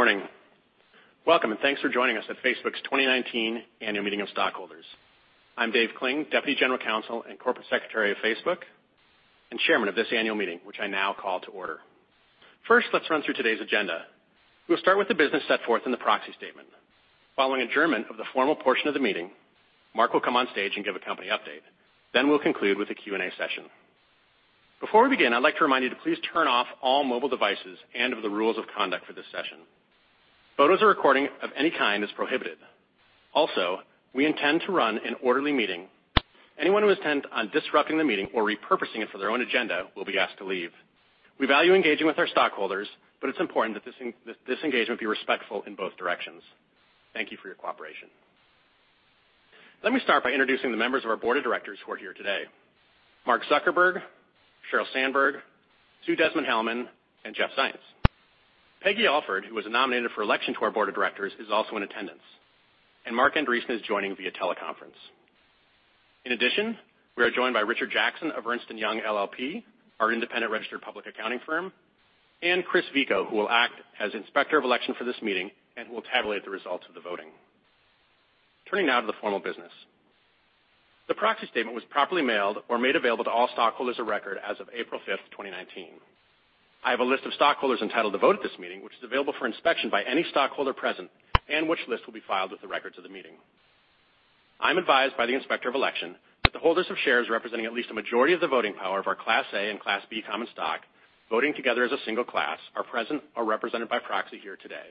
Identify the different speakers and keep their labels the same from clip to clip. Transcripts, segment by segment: Speaker 1: Good morning. Welcome, and thanks for joining us at Facebook's 2019 Annual Meeting of Stockholders. I'm David Kling, Deputy General Counsel and Corporate Secretary of Facebook, and Chairman of this annual meeting, which I now call to order. Let's run through today's agenda. We'll start with the business set forth in the proxy statement. Following adjournment of the formal portion of the meeting, Mark will come on stage and give a company update. We'll conclude with a Q&A session. Before we begin, I'd like to remind you to please turn off all mobile devices and of the rules of conduct for this session. Photos or recording of any kind is prohibited. We intend to run an orderly meeting. Anyone who intends on disrupting the meeting or repurposing it for their own agenda will be asked to leave. We value engaging with our stockholders. It's important that this engagement be respectful in both directions. Thank you for your cooperation. Let me start by introducing the members of our board of directors who are here today. Mark Zuckerberg, Sheryl Sandberg, Sue Desmond-Hellmann, and Jeff Zients. Peggy Alford, who was nominated for election to our board of directors, is also in attendance, and Marc Andreessen is joining via teleconference. In addition, we are joined by Richard Jackson of Ernst & Young LLP, our independent registered public accounting firm, and Chris Vico, who will act as Inspector of Election for this meeting and who will tabulate the results of the voting. Turning now to the formal business. The proxy statement was properly mailed or made available to all stockholders of record as of April 5th, 2019. I have a list of stockholders entitled to vote at this meeting, which is available for inspection by any stockholder present, and which list will be filed with the records of the meeting. I'm advised by the Inspector of Election that the holders of shares representing at least a majority of the voting power of our Class A and Class B common stock, voting together as a single class, are present or represented by proxy here today,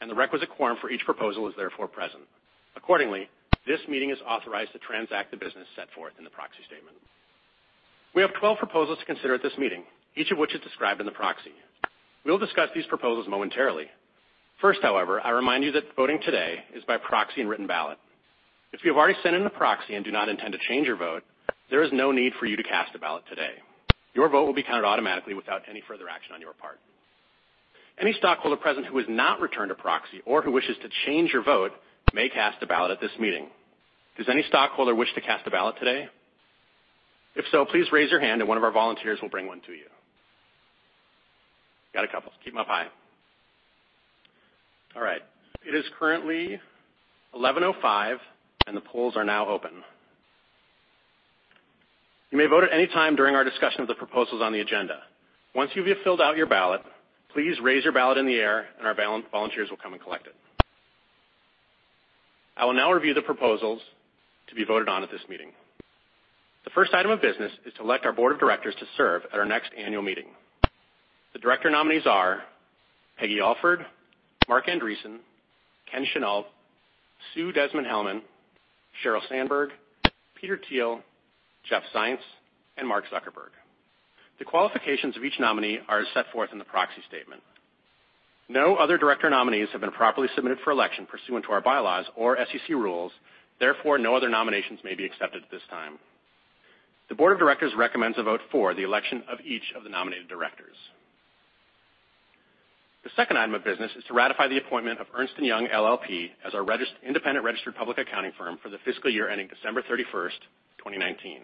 Speaker 1: and the requisite quorum for each proposal is therefore present. Accordingly, this meeting is authorized to transact the business set forth in the proxy statement. We have 12 proposals to consider at this meeting, each of which is described in the proxy. We will discuss these proposals momentarily. However, I remind you that voting today is by proxy and written ballot. If you have already sent in a proxy and do not intend to change your vote, there is no need for you to cast a ballot today. Your vote will be counted automatically without any further action on your part. Any stockholder present who has not returned a proxy or who wishes to change your vote may cast a ballot at this meeting. Does any stockholder wish to cast a ballot today? If so, please raise your hand and one of our volunteers will bring one to you. Got a couple. Keep them up high. All right. It is currently 11:05 A.M. The polls are now open. You may vote at any time during our discussion of the proposals on the agenda. Once you have filled out your ballot, please raise your ballot in the air and our volunteers will come and collect it. I will now review the proposals to be voted on at this meeting. The first item of business is to elect our Board of Directors to serve at our next annual meeting. The director nominees are Peggy Alford, Marc Andreessen, Ken Chenault, Sue Desmond-Hellmann, Sheryl Sandberg, Peter Thiel, Jeff Zients, and Mark Zuckerberg. The qualifications of each nominee are as set forth in the proxy statement. No other director nominees have been properly submitted for election pursuant to our bylaws or SEC rules, therefore, no other nominations may be accepted at this time. The Board of Directors recommends a vote for the election of each of the nominated directors. The second item of business is to ratify the appointment of Ernst & Young LLP as our independent registered public accounting firm for the fiscal year ending December 31st, 2019.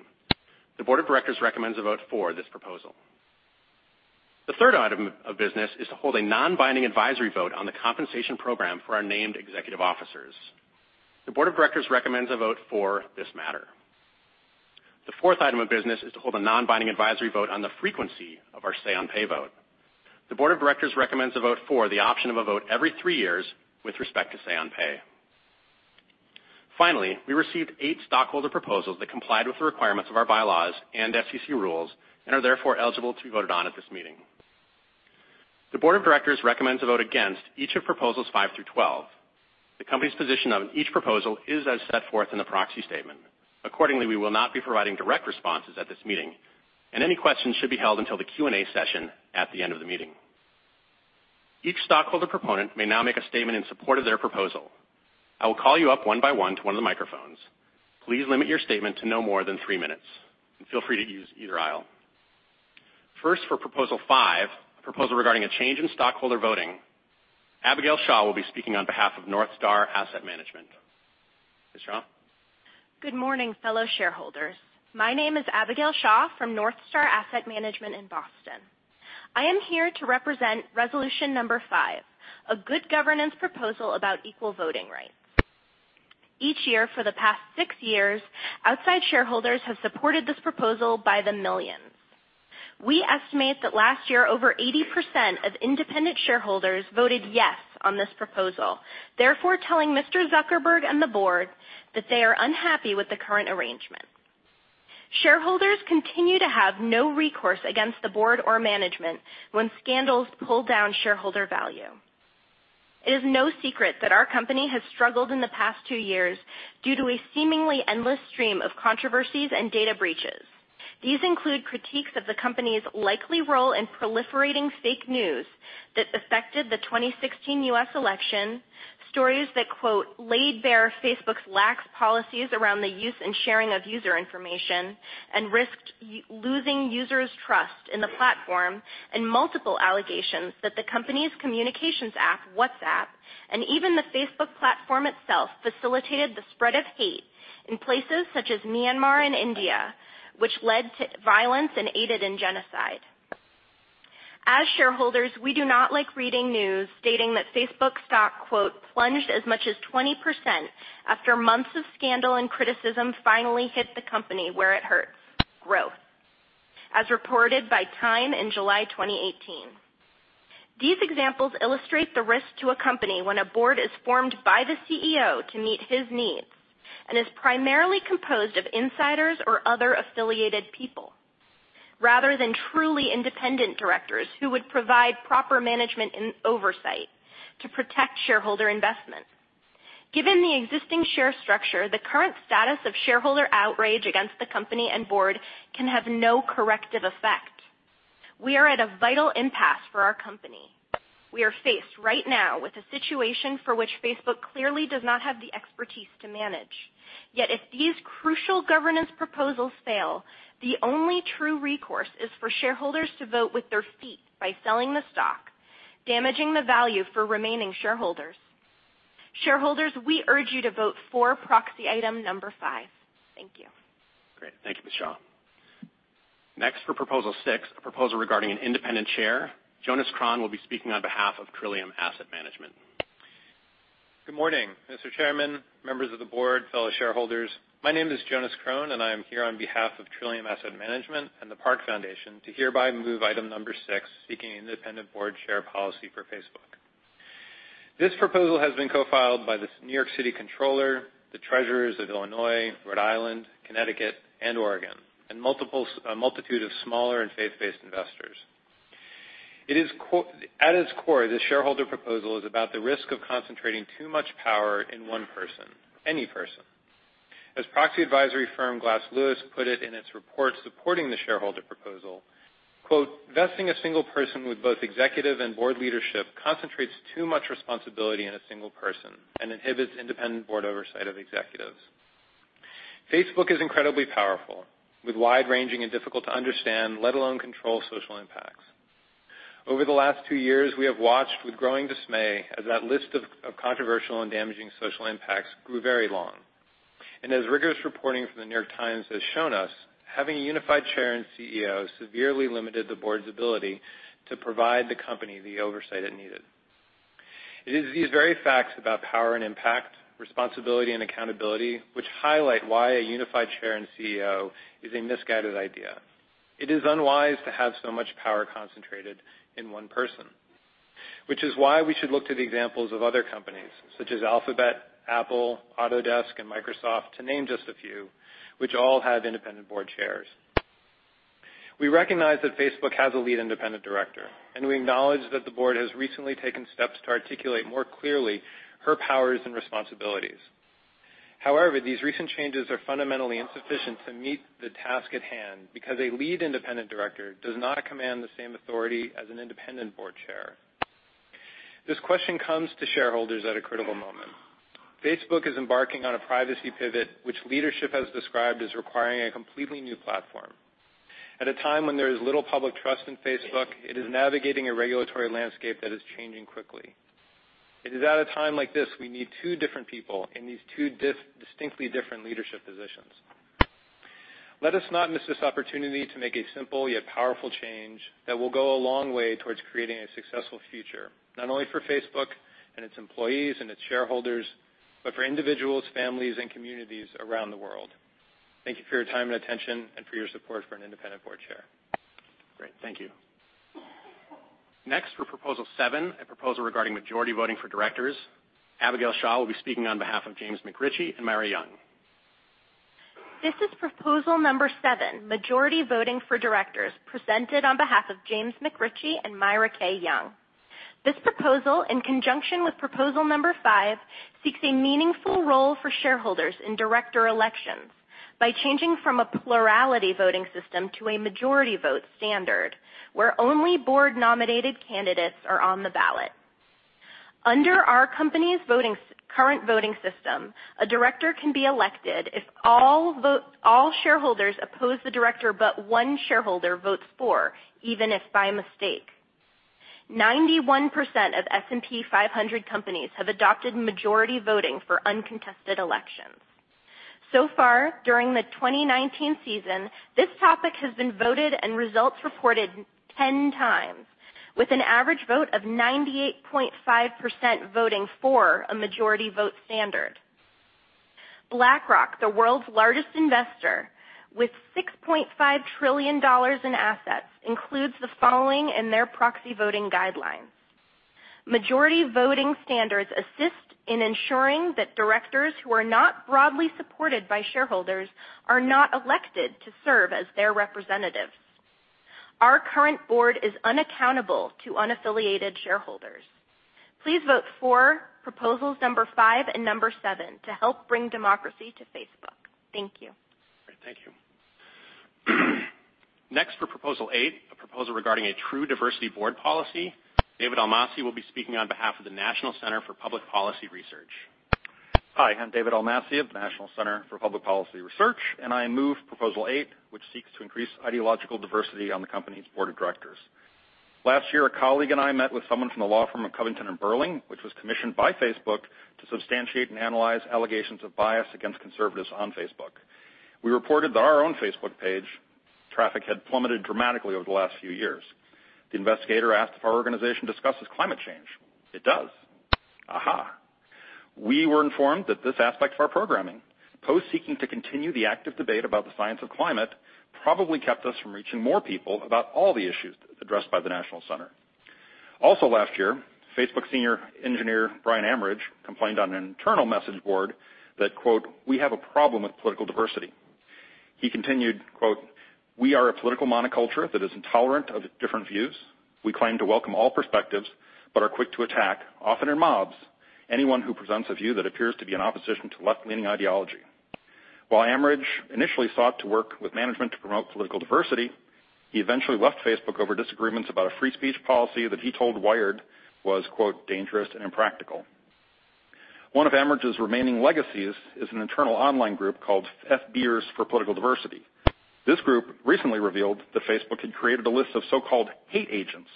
Speaker 1: The Board of Directors recommends a vote for this proposal. The third item of business is to hold a non-binding advisory vote on the compensation program for our named executive officers. The Board of Directors recommends a vote for this matter. The fourth item of business is to hold a non-binding advisory vote on the frequency of our Say-on-Pay vote. The Board of Directors recommends a vote for the option of a vote every three years with respect to Say-on-Pay. Finally, we received eight stockholder proposals that complied with the requirements of our bylaws and SEC rules and are therefore eligible to be voted on at this meeting. The Board of Directors recommends a vote against each of proposals five through 12. The company's position on each proposal is as set forth in the proxy statement. Accordingly, we will not be providing direct responses at this meeting, and any questions should be held until the Q&A session at the end of the meeting. Each stockholder proponent may now make a statement in support of their proposal. I will call you up one by one to one of the microphones. Please limit your statement to no more than three minutes, and feel free to use either aisle. First for proposal five, a proposal regarding a change in stockholder voting, Abigail Shaw will be speaking on behalf of NorthStar Asset Management. Ms. Shaw?
Speaker 2: Good morning, fellow shareholders. My name is Abigail Shaw from NorthStar Asset Management in Boston. I am here to represent resolution number five, a good governance proposal about equal voting rights. Each year for the past six years, outside shareholders have supported this proposal by the millions. We estimate that last year, over 80% of independent shareholders voted yes on this proposal, therefore telling Mr. Zuckerberg and the board that they are unhappy with the current arrangement. Shareholders continue to have no recourse against the board or management when scandals pull down shareholder value. It is no secret that our company has struggled in the past two years due to a seemingly endless stream of controversies and data breaches. These include critiques of the company's likely role in proliferating fake news that affected the 2016 U.S. election, stories that, quote, "laid bare Facebook's lax policies around the use and sharing of user information and risked losing users' trust in the platform and multiple allegations that the company's communications app, WhatsApp, and even the Facebook platform itself, facilitated the spread of hate in places such as Myanmar and India, which led to violence and aided in genocide. As shareholders, we do not like reading news stating that Facebook stock, quote, "Plunged as much as 20% after months of scandal and criticism finally hit the company where it hurts, growth," as reported by Time in July 2018. These examples illustrate the risk to a company when a board is formed by the CEO to meet his needs and is primarily composed of insiders or other affiliated people, rather than truly independent directors who would provide proper management and oversight to protect shareholder investments. Given the existing share structure, the current status of shareholder outrage against the company and board can have no corrective effect. We are at a vital impasse for our company. We are faced right now with a situation for which Facebook clearly does not have the expertise to manage. Yet, if these crucial governance proposals fail, the only true recourse is for shareholders to vote with their feet by selling the stock, damaging the value for remaining shareholders. Shareholders, we urge you to vote for proxy item number five. Thank you.
Speaker 1: Great. Thank you, Ms. Shaw. Next, for proposal six, a proposal regarding an independent chair, Jonas Kron will be speaking on behalf of Trillium Asset Management.
Speaker 3: Good morning, Mr. Chairman, members of the board, fellow shareholders. My name is Jonas Kron, and I am here on behalf of Trillium Asset Management and the Park Foundation to hereby move item number six, seeking independent board chair policy for Facebook. This proposal has been co-filed by the New York City Comptroller, the treasurers of Illinois, Rhode Island, Connecticut, and Oregon, and a multitude of smaller and faith-based investors. At its core, this shareholder proposal is about the risk of concentrating too much power in one person, any person. As proxy advisory firm Glass Lewis put it in its report supporting the shareholder proposal, quote, "Vesting a single person with both executive and board leadership concentrates too much responsibility in a single person and inhibits independent board oversight of executives." Facebook is incredibly powerful, with wide-ranging and difficult-to-understand, let alone control, social impacts. Over the last two years, we have watched with growing dismay as that list of controversial and damaging social impacts grew very long. As rigorous reporting from The New York Times has shown us, having a unified Chair and CEO severely limited the Board's ability to provide the company the oversight it needed. It is these very facts about power and impact, responsibility and accountability, which highlight why a unified Chair and CEO is a misguided idea. It is unwise to have so much power concentrated in one person, which is why we should look to the examples of other companies, such as Alphabet, Apple, Autodesk, and Microsoft, to name just a few, which all have independent Board Chairs. We recognize that Facebook has a Lead Independent Director, and we acknowledge that the Board has recently taken steps to articulate more clearly her powers and responsibilities. However, these recent changes are fundamentally insufficient to meet the task at hand, because a Lead Independent Director does not command the same authority as an independent Board Chair. This question comes to shareholders at a critical moment. Facebook is embarking on a privacy pivot, which leadership has described as requiring a completely new platform. At a time when there is little public trust in Facebook, it is navigating a regulatory landscape that is changing quickly. It is at a time like this, we need two different people in these two distinctly different leadership positions. Let us not miss this opportunity to make a simple, yet powerful change that will go a long way towards creating a successful future, not only for Facebook and its employees and its shareholders, but for individuals, families, and communities around the world. Thank you for your time and attention and for your support for an independent Board Chair.
Speaker 1: Great. Thank you. Next, for proposal seven, a proposal regarding majority voting for directors, Abigail Shaw will be speaking on behalf of James McRitchie and Myra Young.
Speaker 2: This is proposal number 7, majority voting for directors, presented on behalf of James McRitchie and Myra K. Young. This proposal, in conjunction with proposal number 5, seeks a meaningful role for shareholders in director elections by changing from a plurality voting system to a majority vote standard, where only board-nominated candidates are on the ballot. Under our company's current voting system, a director can be elected if all shareholders oppose the director, but one shareholder votes for, even if by mistake. 91% of S&P 500 companies have adopted majority voting for uncontested elections. During the 2019 season, this topic has been voted and results reported 10 times, with an average vote of 98.5% voting for a majority vote standard. BlackRock, the world's largest investor, with $6.5 trillion in assets, includes the following in their proxy voting guidelines. Majority voting standards assist in ensuring that directors who are not broadly supported by shareholders are not elected to serve as their representatives. Our current board is unaccountable to unaffiliated shareholders. Please vote for proposals number 5 and number 7 to help bring democracy to Facebook. Thank you.
Speaker 1: Great. Thank you. For proposal 8, a proposal regarding a true diversity board policy, David Almasi will be speaking on behalf of the National Center for Public Policy Research.
Speaker 4: Hi, I'm David Almasi of the National Center for Public Policy Research. I move proposal 8, which seeks to increase ideological diversity on the company's board of directors. Last year, a colleague and I met with someone from the law firm of Covington & Burling, which was commissioned by Facebook to substantiate and analyze allegations of bias against conservatives on Facebook. We reported that our own Facebook page traffic had plummeted dramatically over the last few years. The investigator asked if our organization discusses climate change. It does. Aha. We were informed that this aspect of our programming, posts seeking to continue the active debate about the science of climate, probably kept us from reaching more people about all the issues addressed by the National Center. Also last year, Facebook Senior Engineer, Brian Amerige, complained on an internal message board that, quote, "We have a problem with political diversity." He continued, quote, "We are a political monoculture that is intolerant of different views. We claim to welcome all perspectives but are quick to attack, often in mobs, anyone who presents a view that appears to be in opposition to left-leaning ideology." While Amerige initially sought to work with management to promote political diversity, he eventually left Facebook over disagreements about a free speech policy that he told Wired was, quote, "dangerous and impractical." One of Amerige's remaining legacies is an internal online group called FB'ers for Political Diversity. This group recently revealed that Facebook had created a list of so-called hate agents,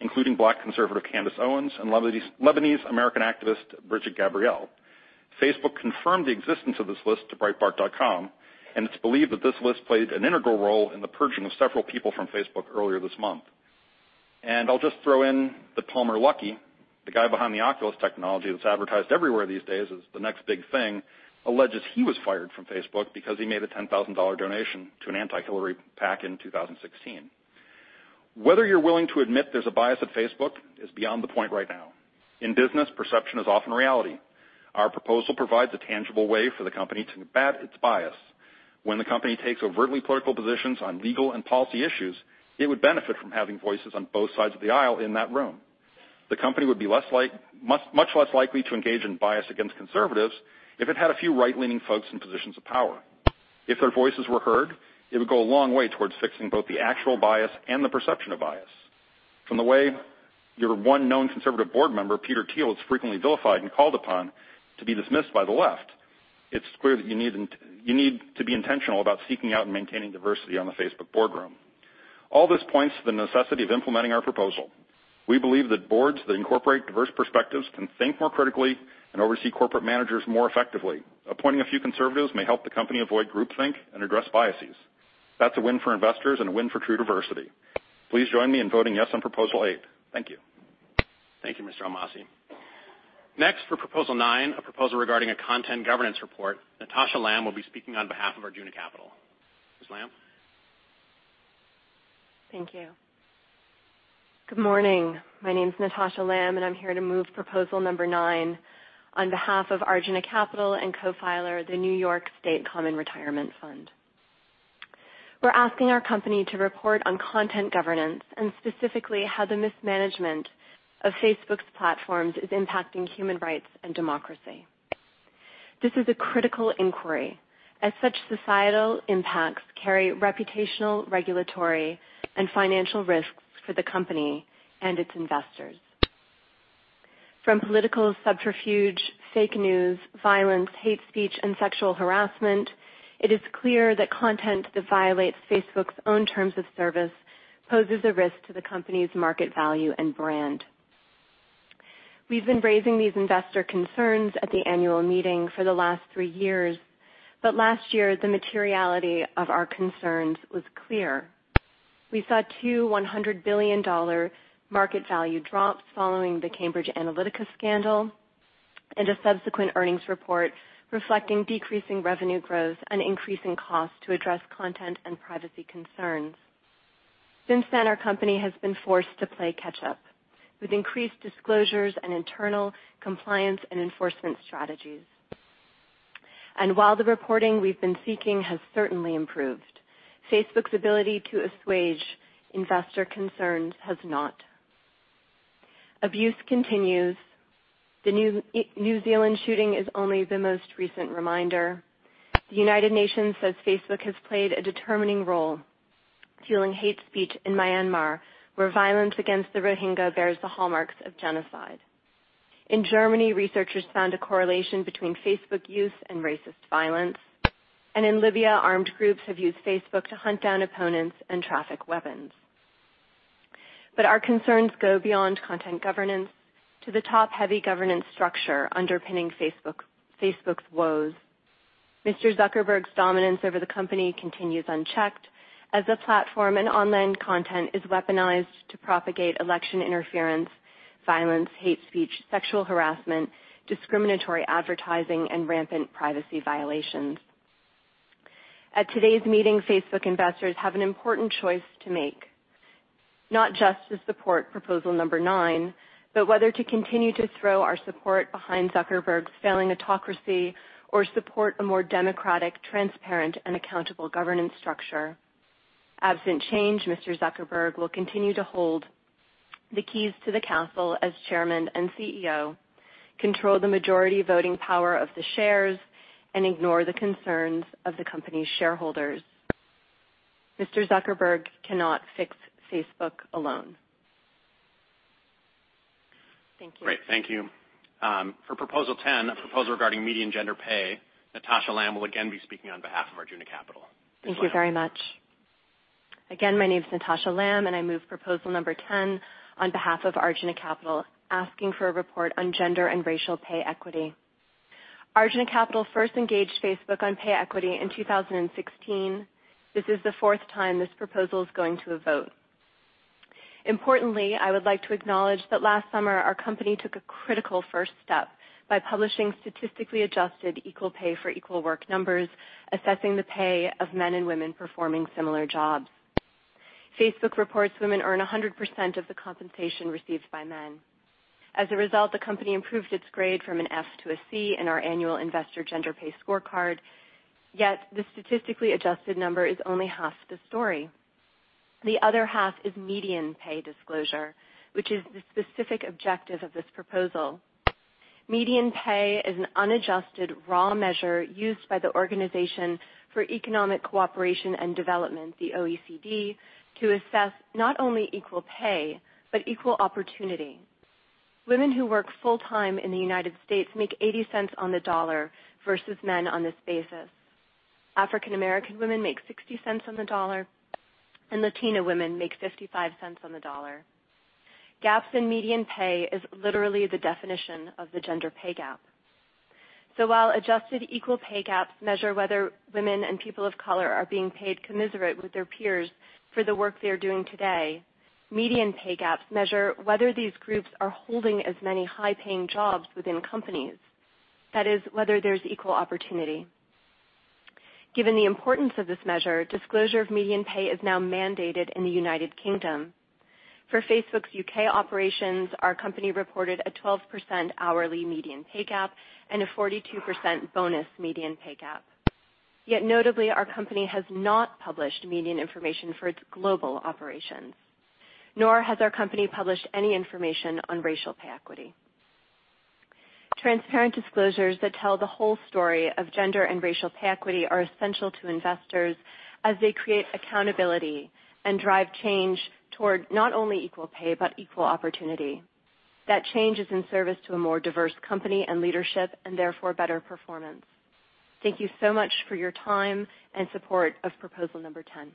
Speaker 4: including Black conservative Candace Owens and Lebanese American activist, Brigitte Gabriel. Facebook confirmed the existence of this list to Breitbart.com, it's believed that this list played an integral role in the purging of several people from Facebook earlier this month. I'll just throw in that Palmer Luckey, the guy behind the Oculus technology that's advertised everywhere these days as the next big thing, alleges he was fired from Facebook because he made a $10,000 donation to an anti-Hillary PAC in 2016. Whether you're willing to admit there's a bias at Facebook is beyond the point right now. In business, perception is often reality. Our proposal provides a tangible way for the company to combat its bias. When the company takes overtly political positions on legal and policy issues, it would benefit from having voices on both sides of the aisle in that room. The company would be much less likely to engage in bias against conservatives if it had a few right-leaning folks in positions of power. If their voices were heard, it would go a long way towards fixing both the actual bias and the perception of bias. From the way your one known conservative board member, Peter Thiel, is frequently vilified and called upon to be dismissed by the left, it's clear that you need to be intentional about seeking out and maintaining diversity on the Facebook boardroom. All this points to the necessity of implementing our proposal. We believe that boards that incorporate diverse perspectives can think more critically and oversee corporate managers more effectively. Appointing a few conservatives may help the company avoid groupthink and address biases. That's a win for investors and a win for true diversity. Please join me in voting yes on proposal eight. Thank you.
Speaker 1: Thank you, Mr. Almasi. Next, for proposal nine, a proposal regarding a content governance report, Natasha Lamb will be speaking on behalf of Arjuna Capital. Ms. Lamb?
Speaker 5: Thank you. Good morning. My name's Natasha Lamb, and I'm here to move proposal number nine on behalf of Arjuna Capital and co-filer, the New York State Common Retirement Fund. We're asking our company to report on content governance. Specifically, how the mismanagement of Facebook's platforms is impacting human rights and democracy. This is a critical inquiry, as such societal impacts carry reputational, regulatory, and financial risks for the company and its investors. From political subterfuge, fake news, violence, hate speech, and sexual harassment, it is clear that content that violates Facebook's own terms of service poses a risk to the company's market value and brand. We've been raising these investor concerns at the annual meeting for the last three years. Last year, the materiality of our concerns was clear. We saw two $100 billion market value drops following the Cambridge Analytica scandal and a subsequent earnings report reflecting decreasing revenue growth and increasing costs to address content and privacy concerns. Since then, our company has been forced to play catch-up with increased disclosures and internal compliance and enforcement strategies. While the reporting we've been seeking has certainly improved, Facebook's ability to assuage investor concerns has not. Abuse continues. The New Zealand shooting is only the most recent reminder. The United Nations says Facebook has played a determining role fueling hate speech in Myanmar, where violence against the Rohingya bears the hallmarks of genocide. In Germany, researchers found a correlation between Facebook use and racist violence, and in Libya, armed groups have used Facebook to hunt down opponents and traffic weapons. Our concerns go beyond content governance to the top-heavy governance structure underpinning Facebook's woes. Mr. Zuckerberg's dominance over the company continues unchecked as the platform and online content is weaponized to propagate election interference, violence, hate speech, sexual harassment, discriminatory advertising, and rampant privacy violations. At today's meeting, Facebook investors have an important choice to make, not just to support proposal number nine, whether to continue to throw our support behind Zuckerberg's failing autocracy or support a more democratic, transparent, and accountable governance structure. Absent change, Mr. Zuckerberg will continue to hold the keys to the council as Chairman and CEO, control the majority voting power of the shares, and ignore the concerns of the company's shareholders. Mr. Zuckerberg cannot fix Facebook alone.
Speaker 1: Great. Thank you. For Proposal 10, a proposal regarding median gender pay, Natasha Lamb will again be speaking on behalf of Arjuna Capital.
Speaker 5: Thank you very much. Again, my name's Natasha Lamb, and I move proposal number 10 on behalf of Arjuna Capital, asking for a report on gender and racial pay equity. Arjuna Capital first engaged Facebook on pay equity in 2016. This is the fourth time this proposal is going to a vote. Importantly, I would like to acknowledge that last summer, our company took a critical first step by publishing statistically adjusted equal pay for equal work numbers, assessing the pay of men and women performing similar jobs. Facebook reports women earn 100% of the compensation received by men. As a result, the company improved its grade from an F to a C in our annual investor gender pay scorecard, yet the statistically adjusted number is only half the story. The other half is median pay disclosure, which is the specific objective of this proposal. Median pay is an unadjusted raw measure used by the Organisation for Economic Co-operation and Development, the OECD, to assess not only equal pay, but equal opportunity. Women who work full-time in the U.S. make $0.80 on the dollar versus men on this basis. African American women make $0.60 on the dollar, and Latina women make $0.55 on the dollar. Gaps in median pay is literally the definition of the gender pay gap. While adjusted equal pay gaps measure whether women and people of color are being paid commensurate with their peers for the work they are doing today, median pay gaps measure whether these groups are holding as many high-paying jobs within companies. That is, whether there's equal opportunity. Given the importance of this measure, disclosure of median pay is now mandated in the U.K. For Facebook's U.K. operations, our company reported a 12% hourly median pay gap and a 42% bonus median pay gap. Yet notably, our company has not published median information for its global operations, nor has our company published any information on racial pay equity. Transparent disclosures that tell the whole story of gender and racial pay equity are essential to investors as they create accountability and drive change toward not only equal pay, but equal opportunity. That change is in service to a more diverse company and leadership, and therefore better performance. Thank you so much for your time and support of proposal number 10.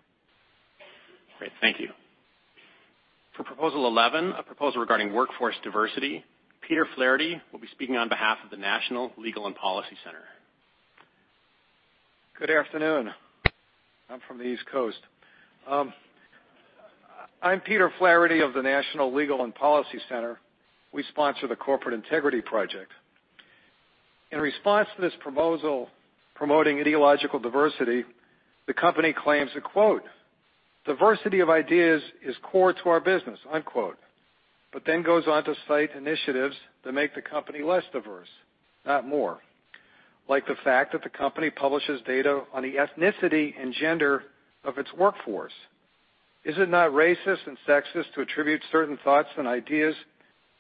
Speaker 1: Great. Thank you. For Proposal 11, a proposal regarding workforce diversity, Peter Flaherty will be speaking on behalf of the National Legal and Policy Center.
Speaker 6: Good afternoon. I'm from the East Coast. I'm Peter Flaherty of the National Legal and Policy Center. We sponsor the Corporate Integrity Project. In response to this proposal promoting ideological diversity, the company claims that, quote, "Diversity of ideas is core to our business," unquote, but then goes on to cite initiatives that make the company less diverse, not more. Like the fact that the company publishes data on the ethnicity and gender of its workforce. Is it not racist and sexist to attribute certain thoughts and ideas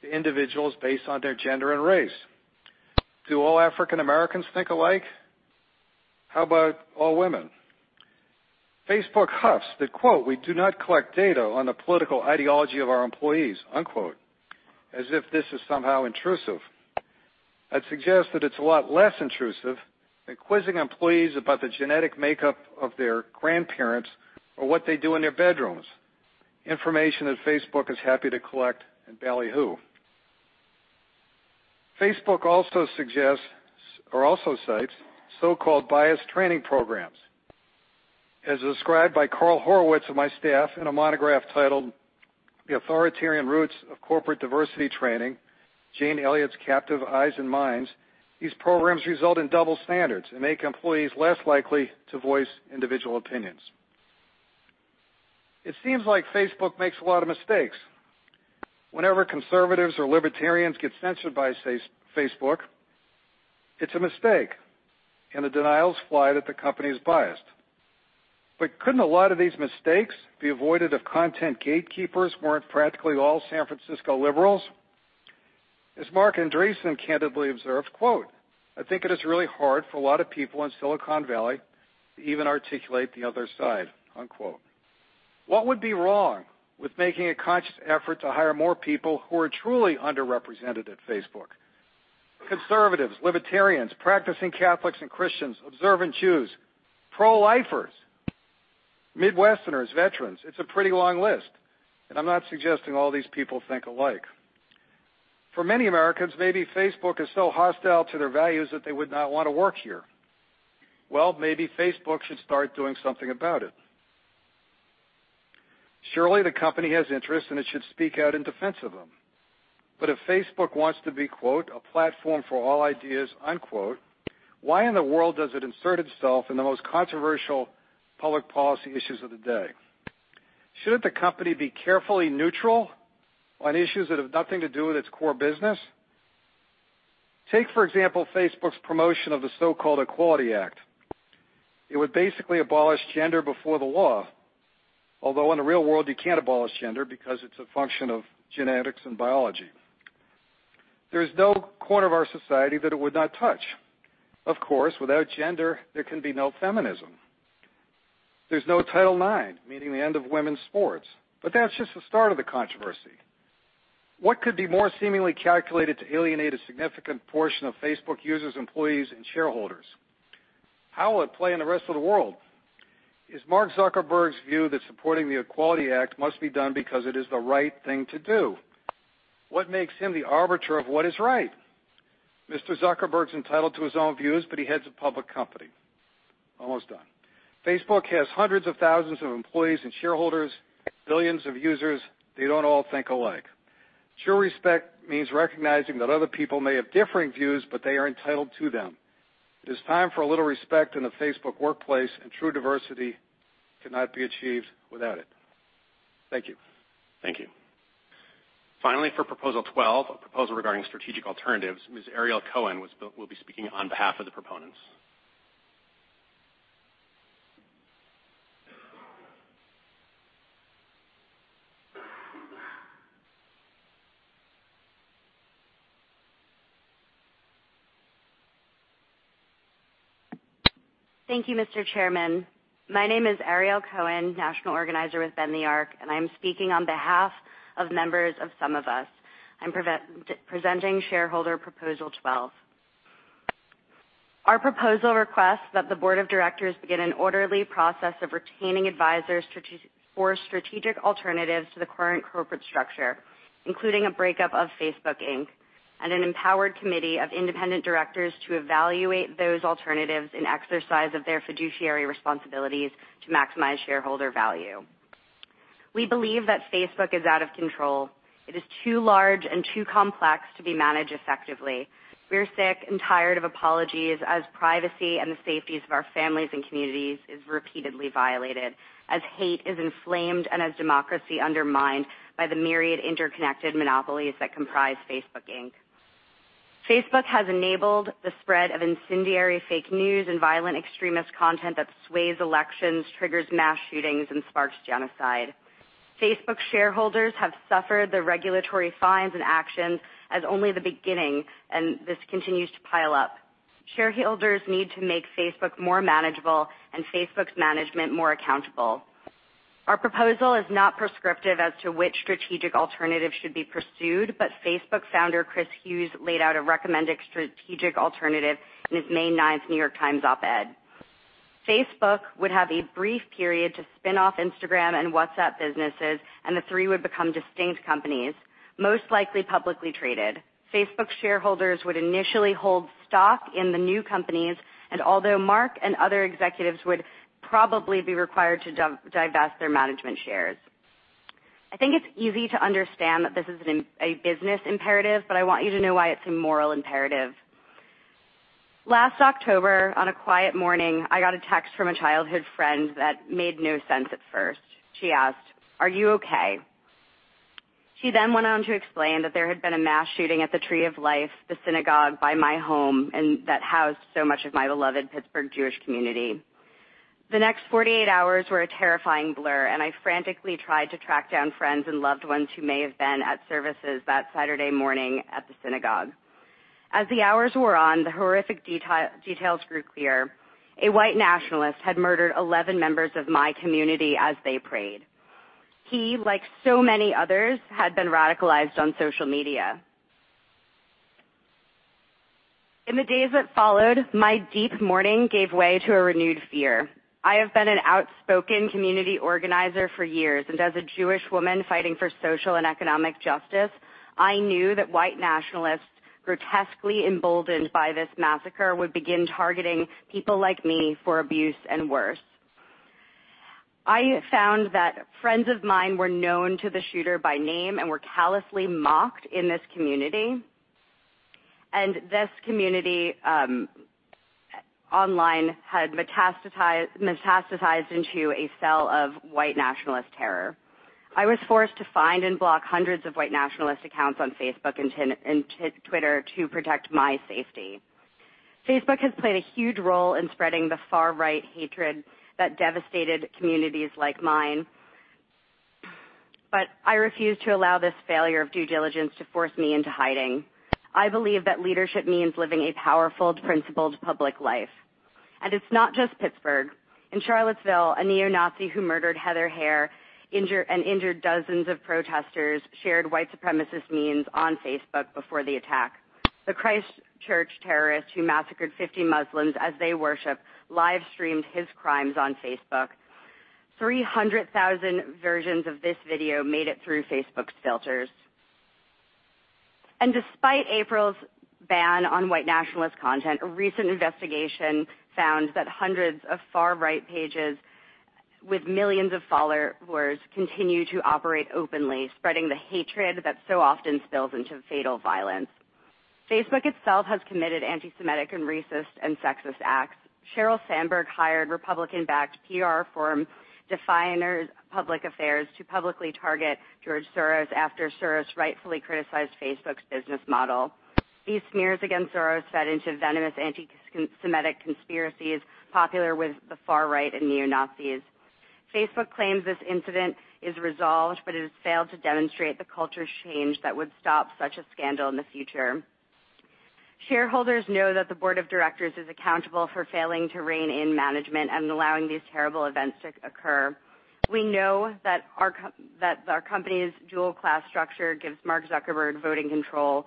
Speaker 6: to individuals based on their gender and race? Do all African Americans think alike? How about all women? Facebook huffs that, quote, "We do not collect data on the political ideology of our employees," unquote, as if this is somehow intrusive. I'd suggest that it's a lot less intrusive than quizzing employees about the genetic makeup of their grandparents or what they do in their bedrooms, information that Facebook is happy to collect and ballyhoo. Facebook also cites so-called bias training programs. As described by Carl Horowitz of my staff in a monograph titled "The Authoritarian Roots of Corporate Diversity Training: Jane Elliott's Captive Eyes and Minds," these programs result in double standards and make employees less likely to voice individual opinions. It seems like Facebook makes a lot of mistakes. Whenever conservatives or libertarians get censored by Facebook, it's a mistake, and the denials fly that the company is biased. Couldn't a lot of these mistakes be avoided if content gatekeepers weren't practically all San Francisco liberals? As Marc Andreessen candidly observed, quote, "I think it is really hard for a lot of people in Silicon Valley to even articulate the other side," unquote. What would be wrong with making a conscious effort to hire more people who are truly underrepresented at Facebook? Conservatives, libertarians, practicing Catholics and Christians, observant Jews, pro-lifers, Midwesterners, veterans. It's a pretty long list, and I'm not suggesting all these people think alike. For many Americans, maybe Facebook is so hostile to their values that they would not want to work here. Well, maybe Facebook should start doing something about it. Surely the company has interests, and it should speak out in defense of them. If Facebook wants to be, quote, "A platform for all ideas," unquote, why in the world does it insert itself in the most controversial public policy issues of the day? Shouldn't the company be carefully neutral on issues that have nothing to do with its core business? Take, for example, Facebook's promotion of the so-called Equality Act. It would basically abolish gender before the law. Although in the real world, you can't abolish gender because it's a function of genetics and biology. There is no corner of our society that it would not touch. Of course, without gender, there can be no feminism. There's no Title IX, meaning the end of women's sports. That's just the start of the controversy. What could be more seemingly calculated to alienate a significant portion of Facebook users, employees, and shareholders? How will it play in the rest of the world? Is Mark Zuckerberg's view that supporting the Equality Act must be done because it is the right thing to do? What makes him the arbiter of what is right? Mr. Zuckerberg's entitled to his own views. He heads a public company. Almost done. Facebook has hundreds of thousands of employees and shareholders, billions of users. They don't all think alike. True respect means recognizing that other people may have differing views, but they are entitled to them. It is time for a little respect in the Facebook workplace. True diversity cannot be achieved without it. Thank you.
Speaker 1: Thank you. Finally, for Proposal 12, a proposal regarding strategic alternatives, Ms. Ariel Cohen will be speaking on behalf of the proponents.
Speaker 7: Thank you, Mr. Chairman. My name is Ariel Cohen, national organizer with Bend the Arc. I'm speaking on behalf of members of SumOfUs. I'm presenting Shareholder Proposal 12. Our proposal requests that the board of directors begin an orderly process of retaining advisors for strategic alternatives to the current corporate structure, including a breakup of Facebook Inc. An empowered committee of independent directors to evaluate those alternatives in exercise of their fiduciary responsibilities to maximize shareholder value. We believe that Facebook is out of control. It is too large and too complex to be managed effectively. We're sick and tired of apologies as privacy and the safety of our families and communities is repeatedly violated, as hate is inflamed. As democracy undermined by the myriad interconnected monopolies that comprise Facebook Inc. Facebook has enabled the spread of incendiary fake news and violent extremist content that sways elections, triggers mass shootings, and sparks genocide. Facebook shareholders have suffered the regulatory fines and actions as only the beginning. This continues to pile up. Shareholders need to make Facebook more manageable and Facebook's management more accountable. Our proposal is not prescriptive as to which strategic alternative should be pursued. Facebook founder Chris Hughes laid out a recommended strategic alternative in his May 9th The New York Times op-ed. Facebook would have a brief period to spin off Instagram and WhatsApp businesses. The three would become distinct companies, most likely publicly traded. Facebook shareholders would initially hold stock in the new companies. Although Mark and other executives would probably be required to divest their management shares. I think it's easy to understand that this is a business imperative. I want you to know why it's a moral imperative. Last October, on a quiet morning, I got a text from a childhood friend that made no sense at first. She asked, "Are you okay?" She went on to explain that there had been a mass shooting at the Tree of Life, the synagogue by my home, and that housed so much of my beloved Pittsburgh Jewish community. The next 48 hours were a terrifying blur. I frantically tried to track down friends and loved ones who may have been at services that Saturday morning at the synagogue. As the hours wore on, the horrific details grew clear. A white nationalist had murdered 11 members of my community as they prayed. He, like so many others, had been radicalized on social media. In the days that followed, my deep mourning gave way to a renewed fear. I have been an outspoken community organizer for years. As a Jewish woman fighting for social and economic justice, I knew that white nationalists, grotesquely emboldened by this massacre, would begin targeting people like me for abuse and worse. I found that friends of mine were known to the shooter by name and were callously mocked in this community. This community, online, had metastasized into a cell of white nationalist terror. I was forced to find and block hundreds of white nationalist accounts on Facebook and Twitter to protect my safety. Facebook has played a huge role in spreading the far-right hatred that devastated communities like mine. I refuse to allow this failure of due diligence to force me into hiding. I believe that leadership means living a powerful, principled public life. It's not just Pittsburgh. In Charlottesville, a neo-Nazi who murdered Heather Heyer and injured dozens of protesters shared white supremacist memes on Facebook before the attack. The Christchurch terrorist who massacred 50 Muslims as they worshipped livestreamed his crimes on Facebook. 300,000 versions of this video made it through Facebook's filters. Despite April's ban on white nationalist content, a recent investigation found that hundreds of far-right pages with millions of followers continue to operate openly, spreading the hatred that so often spills into fatal violence. Facebook itself has committed anti-Semitic and racist, and sexist acts. Sheryl Sandberg hired Republican-backed PR firm Definers Public Affairs to publicly target George Soros after Soros rightfully criticized Facebook's business model. These smears against Soros fed into venomous anti-Semitic conspiracies popular with the far right and neo-Nazis. Facebook claims this incident is resolved. It has failed to demonstrate the culture change that would stop such a scandal in the future. Shareholders know that the board of directors is accountable for failing to rein in management and allowing these terrible events to occur. We know that our company's dual class structure gives Mark Zuckerberg voting control.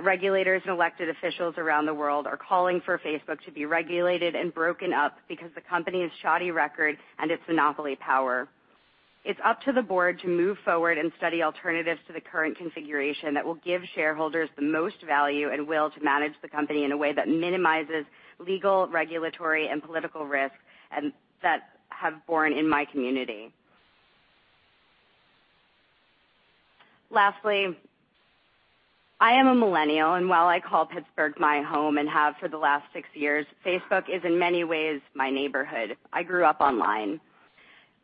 Speaker 7: Regulators and elected officials around the world are calling for Facebook to be regulated and broken up because of the company's shoddy record and its monopoly power. It's up to the board to move forward and study alternatives to the current configuration that will give shareholders the most value and will to manage the company in a way that minimizes legal, regulatory, and political risk, and that have borne in my community. Lastly, I am a millennial, and while I call Pittsburgh my home and have for the last six years, Facebook is in many ways my neighborhood. I grew up online.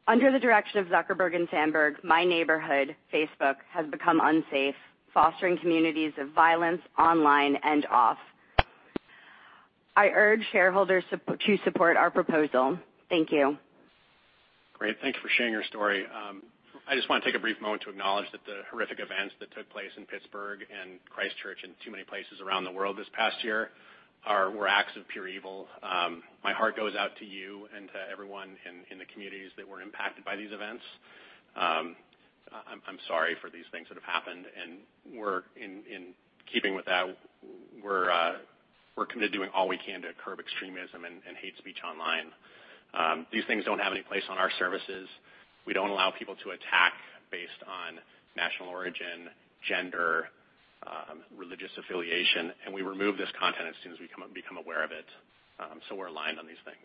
Speaker 7: Under the direction of Zuckerberg and Sandberg, my neighborhood, Facebook, has become unsafe, fostering communities of violence online and off. I urge shareholders to support our proposal. Thank you.
Speaker 1: Great. Thank you for sharing your story. I just want to take a brief moment to acknowledge that the horrific events that took place in Pittsburgh and Christchurch and too many places around the world this past year were acts of pure evil. My heart goes out to you and to everyone in the communities that were impacted by these events. In keeping with that, we're committed to doing all we can to curb extremism and hate speech online. These things don't have any place on our services. We don't allow people to attack based on national origin, gender, religious affiliation, and we remove this content as soon as we become aware of it. We're aligned on these things.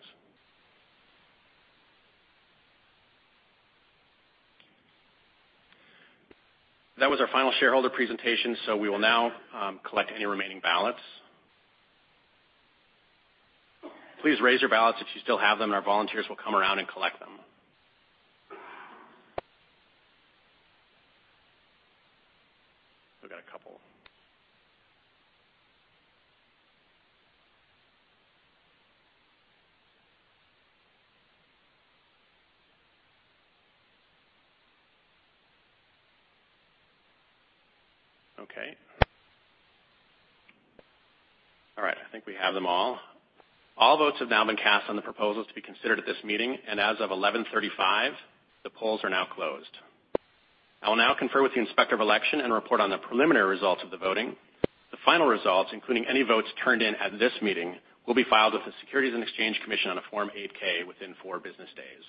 Speaker 1: That was our final shareholder presentation, so we will now collect any remaining ballots. Please raise your ballots if you still have them, Our volunteers will come around and collect them. We've got a couple. Okay. All right. I think we have them all. All votes have now been cast on the proposals to be considered at this meeting, and as of 11:35 A.M., the polls are now closed. I will now confer with the Inspector of Election and report on the preliminary results of the voting. The final results, including any votes turned in at this meeting, will be filed with the Securities and Exchange Commission on a Form 8-K within four business days.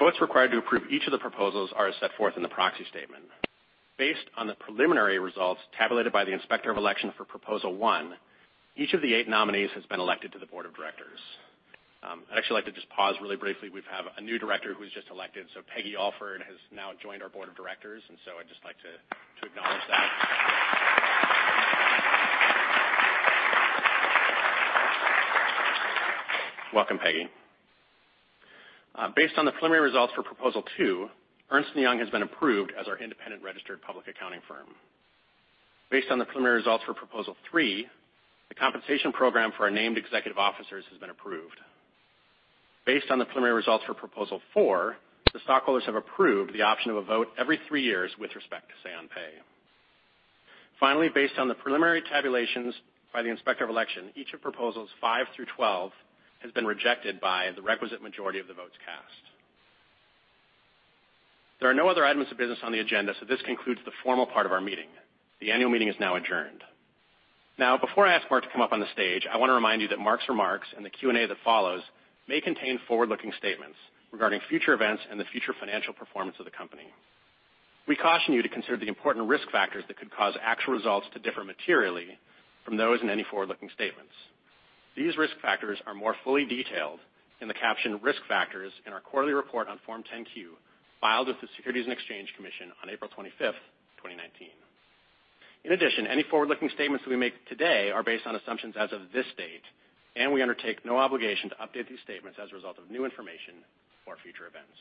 Speaker 1: The votes required to approve each of the proposals are as set forth in the proxy statement. Based on the preliminary results tabulated by the Inspector of Election for proposal one, each of the eight nominees has been elected to the board of directors. I'd actually like to just pause really briefly. We have a new director who was just elected, Peggy Alford has now joined our board of directors. I'd just like to acknowledge that. Welcome, Peggy. Based on the preliminary results for proposal two, Ernst & Young has been approved as our independent registered public accounting firm. Based on the preliminary results for proposal three, the compensation program for our named executive officers has been approved. Based on the preliminary results for proposal four, the stockholders have approved the option of a vote every three years with respect to Say-on-Pay. Finally, based on the preliminary tabulations by the Inspector of Election, each of proposals five through 12 has been rejected by the requisite majority of the votes cast. There are no other items of business on the agenda, this concludes the formal part of our meeting. The annual meeting is now adjourned. Before I ask Mark to come up on the stage, I want to remind you that Mark's remarks and the Q&A that follows may contain forward-looking statements regarding future events and the future financial performance of the company. We caution you to consider the important risk factors that could cause actual results to differ materially from those in any forward-looking statements. These risk factors are more fully detailed in the captioned risk factors in our quarterly report on Form 10-Q, filed with the Securities and Exchange Commission on April 25th, 2019. In addition, any forward-looking statements that we make today are based on assumptions as of this date, we undertake no obligation to update these statements as a result of new information or future events.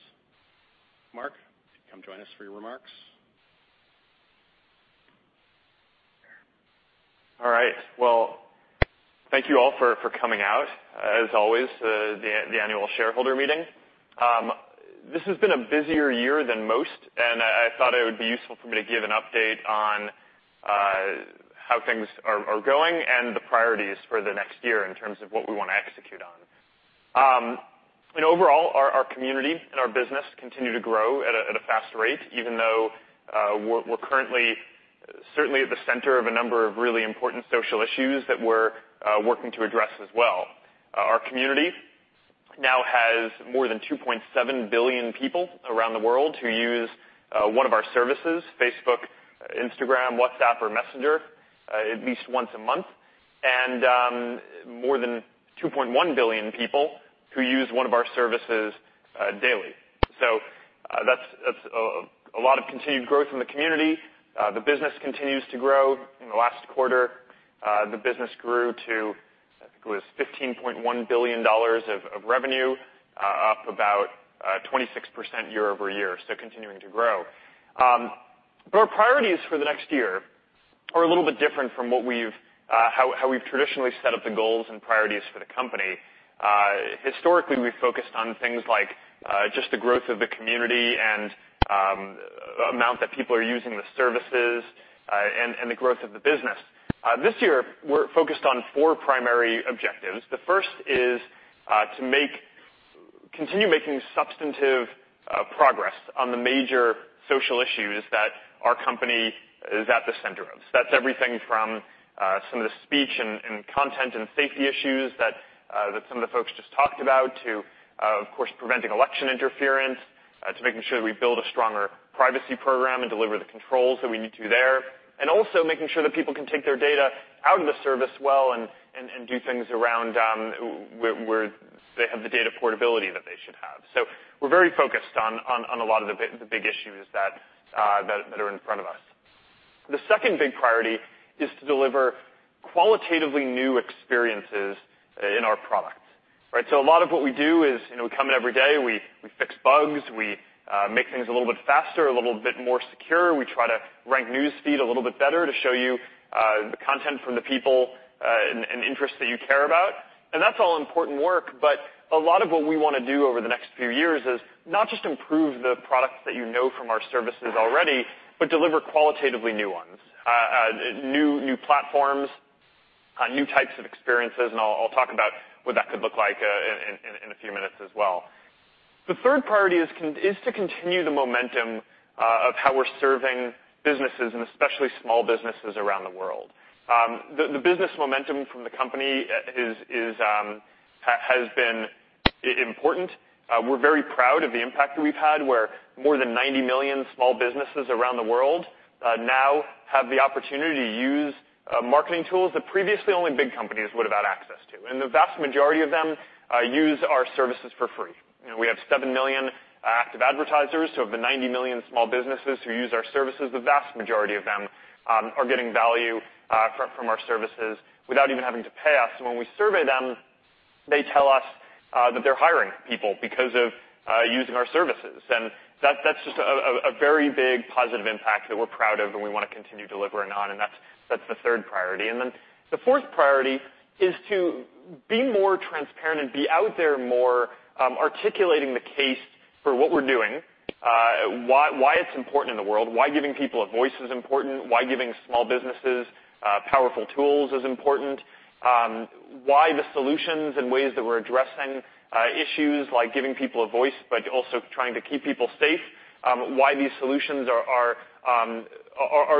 Speaker 1: Mark, come join us for your remarks.
Speaker 8: All right. Well, thank you all for coming out. As always, the annual shareholder meeting. This has been a busier year than most, I thought it would be useful for me to give an update on how things are going and the priorities for the next year in terms of what we want to execute on. Overall, our community and our business continue to grow at a fast rate, even though we're currently certainly at the center of a number of really important social issues that we're working to address as well. Our community now has more than 2.7 billion people around the world who use one of our services, Facebook, Instagram, WhatsApp, or Messenger, at least once a month. More than 2.1 billion people who use one of our services daily. That's a lot of continued growth in the community. The business continues to grow. In the last quarter, the business grew to, I think it was $15.1 billion of revenue, up about 26% year-over-year, continuing to grow. Our priorities for the next year are a little bit different from how we've traditionally set up the goals and priorities for the company. Historically, we've focused on things like just the growth of the community and amount that people are using the services, and the growth of the business. This year, we're focused on four primary objectives. The first is to continue making substantive progress on the major social issues that our company is at the center of. That's everything from some of the speech and content and safety issues that some of the folks just talked about, to, of course, preventing election interference, to making sure that we build a stronger privacy program and deliver the controls that we need to there. Also making sure that people can take their data out of the service well and do things around where they have the data portability that they should have. We're very focused on a lot of the big issues that are in front of us. The second big priority is to deliver qualitatively new experiences in our product. Right? A lot of what we do is we come in every day, we fix bugs, we make things a little bit faster, a little bit more secure. We try to rank News Feed a little bit better to show you the content from the people and interests that you care about. That's all important work, but a lot of what we want to do over the next few years is not just improve the products that you know from our services already, but deliver qualitatively new ones. New platforms, new types of experiences, I'll talk about what that could look like in a few minutes as well. The third priority is to continue the momentum of how we're serving businesses, especially small businesses around the world. The business momentum from the company has been important. We're very proud of the impact that we've had, where more than 90 million small businesses around the world now have the opportunity to use marketing tools that previously only big companies would've had access to. The vast majority of them use our services for free. We have 7 million active advertisers. Of the 90 million small businesses who use our services, the vast majority of them are getting value from our services without even having to pay us. When we survey them, they tell us that they're hiring people because of using our services. That's just a very big positive impact that we're proud of and we want to continue delivering on, that's the third priority. The fourth priority is to be more transparent and be out there more, articulating the case for what we're doing, why it's important in the world, why giving people a voice is important, why giving small businesses powerful tools is important. Why the solutions and ways that we're addressing issues like giving people a voice, but also trying to keep people safe, why these solutions are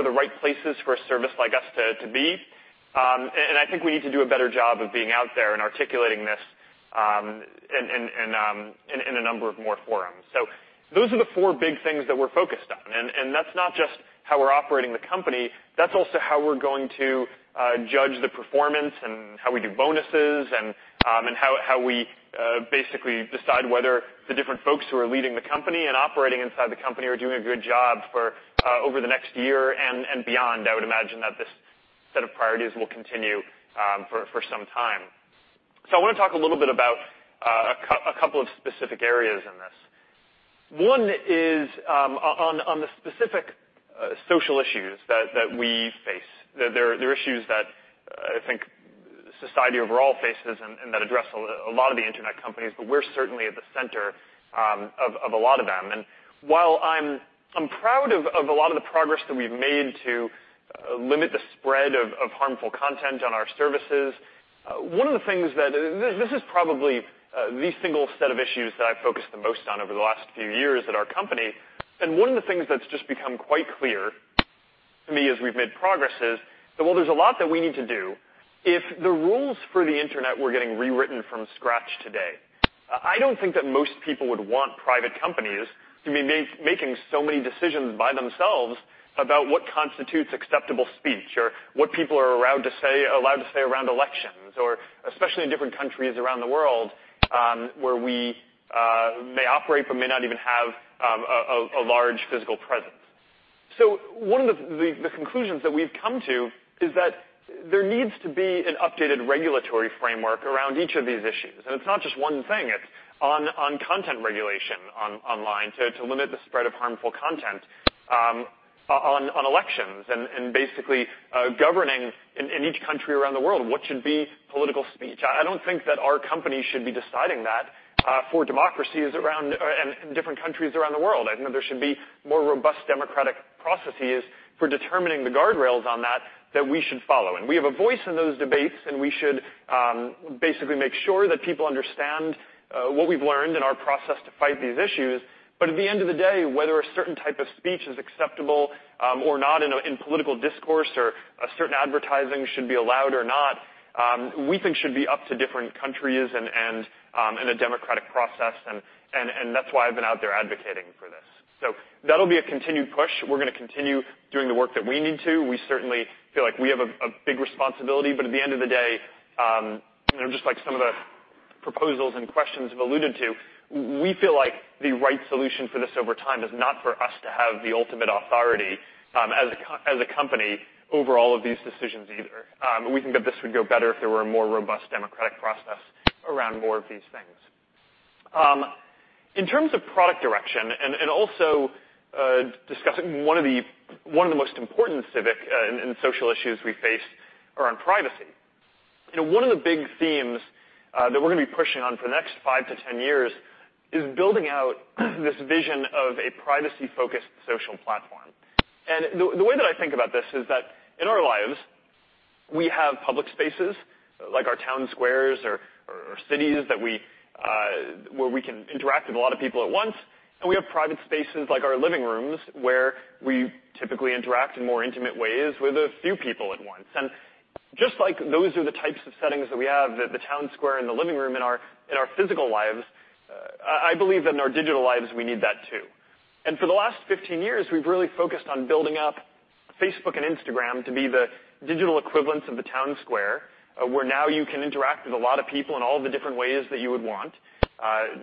Speaker 8: the right places for a service like us to be. I think we need to do a better job of being out there and articulating this in a number of more forums. Those are the four big things that we're focused on. That's not just how we're operating the company, that's also how we're going to judge the performance and how we do bonuses, and how we basically decide whether the different folks who are leading the company and operating inside the company are doing a good job over the next year and beyond. I would imagine that this set of priorities will continue for some time. I want to talk a little bit about a couple of specific areas in this. One is on the specific social issues that we face. They're issues that I think society overall faces and that address a lot of the internet companies, but we're certainly at the center of a lot of them. While I'm proud of a lot of the progress that we've made to limit the spread of harmful content on our services, this is probably the single set of issues that I've focused the most on over the last few years at our company. One of the things that's just become quite clear to me as we've made progress is that while there's a lot that we need to do, if the rules for the internet were getting rewritten from scratch today, I don't think that most people would want private companies to be making so many decisions by themselves about what constitutes acceptable speech or what people are allowed to say around elections. Or especially in different countries around the world, where we may operate but may not even have a large physical presence. One of the conclusions that we've come to is that there needs to be an updated regulatory framework around each of these issues. It's not just one thing, it's on content regulation online to limit the spread of harmful content on elections and basically governing in each country around the world what should be political speech. I don't think that our company should be deciding that for different countries around the world. I think there should be more robust democratic processes for determining the guardrails on that we should follow. We have a voice in those debates, and we should basically make sure that people understand what we've learned in our process to fight these issues. At the end of the day, whether a certain type of speech is acceptable or not in political discourse or a certain advertising should be allowed or not, we think should be up to different countries and the democratic process, and that's why I've been out there advocating for this. That'll be a continued push. We're going to continue doing the work that we need to. We certainly feel like we have a big responsibility, but at the end of the day, just like some of the proposals and questions we've alluded to, we feel like the right solution for this over time is not for us to have the ultimate authority as a company over all of these decisions either. We think that this would go better if there were a more robust democratic process around more of these things. In terms of product direction and also discussing one of the most important civic and social issues we face around privacy. One of the big themes that we're going to be pushing on for the next five to 10 years is building out this vision of a privacy-focused social platform. The way that I think about this is that in our lives, we have public spaces like our town squares or cities where we can interact with a lot of people at once, and we have private spaces like our living rooms, where we typically interact in more intimate ways with a few people at once. Just like those are the types of settings that we have, the town square and the living room in our physical lives, I believe that in our digital lives, we need that too. For the last 15 years, we've really focused on building up Facebook and Instagram to be the digital equivalents of the town square, where now you can interact with a lot of people in all the different ways that you would want.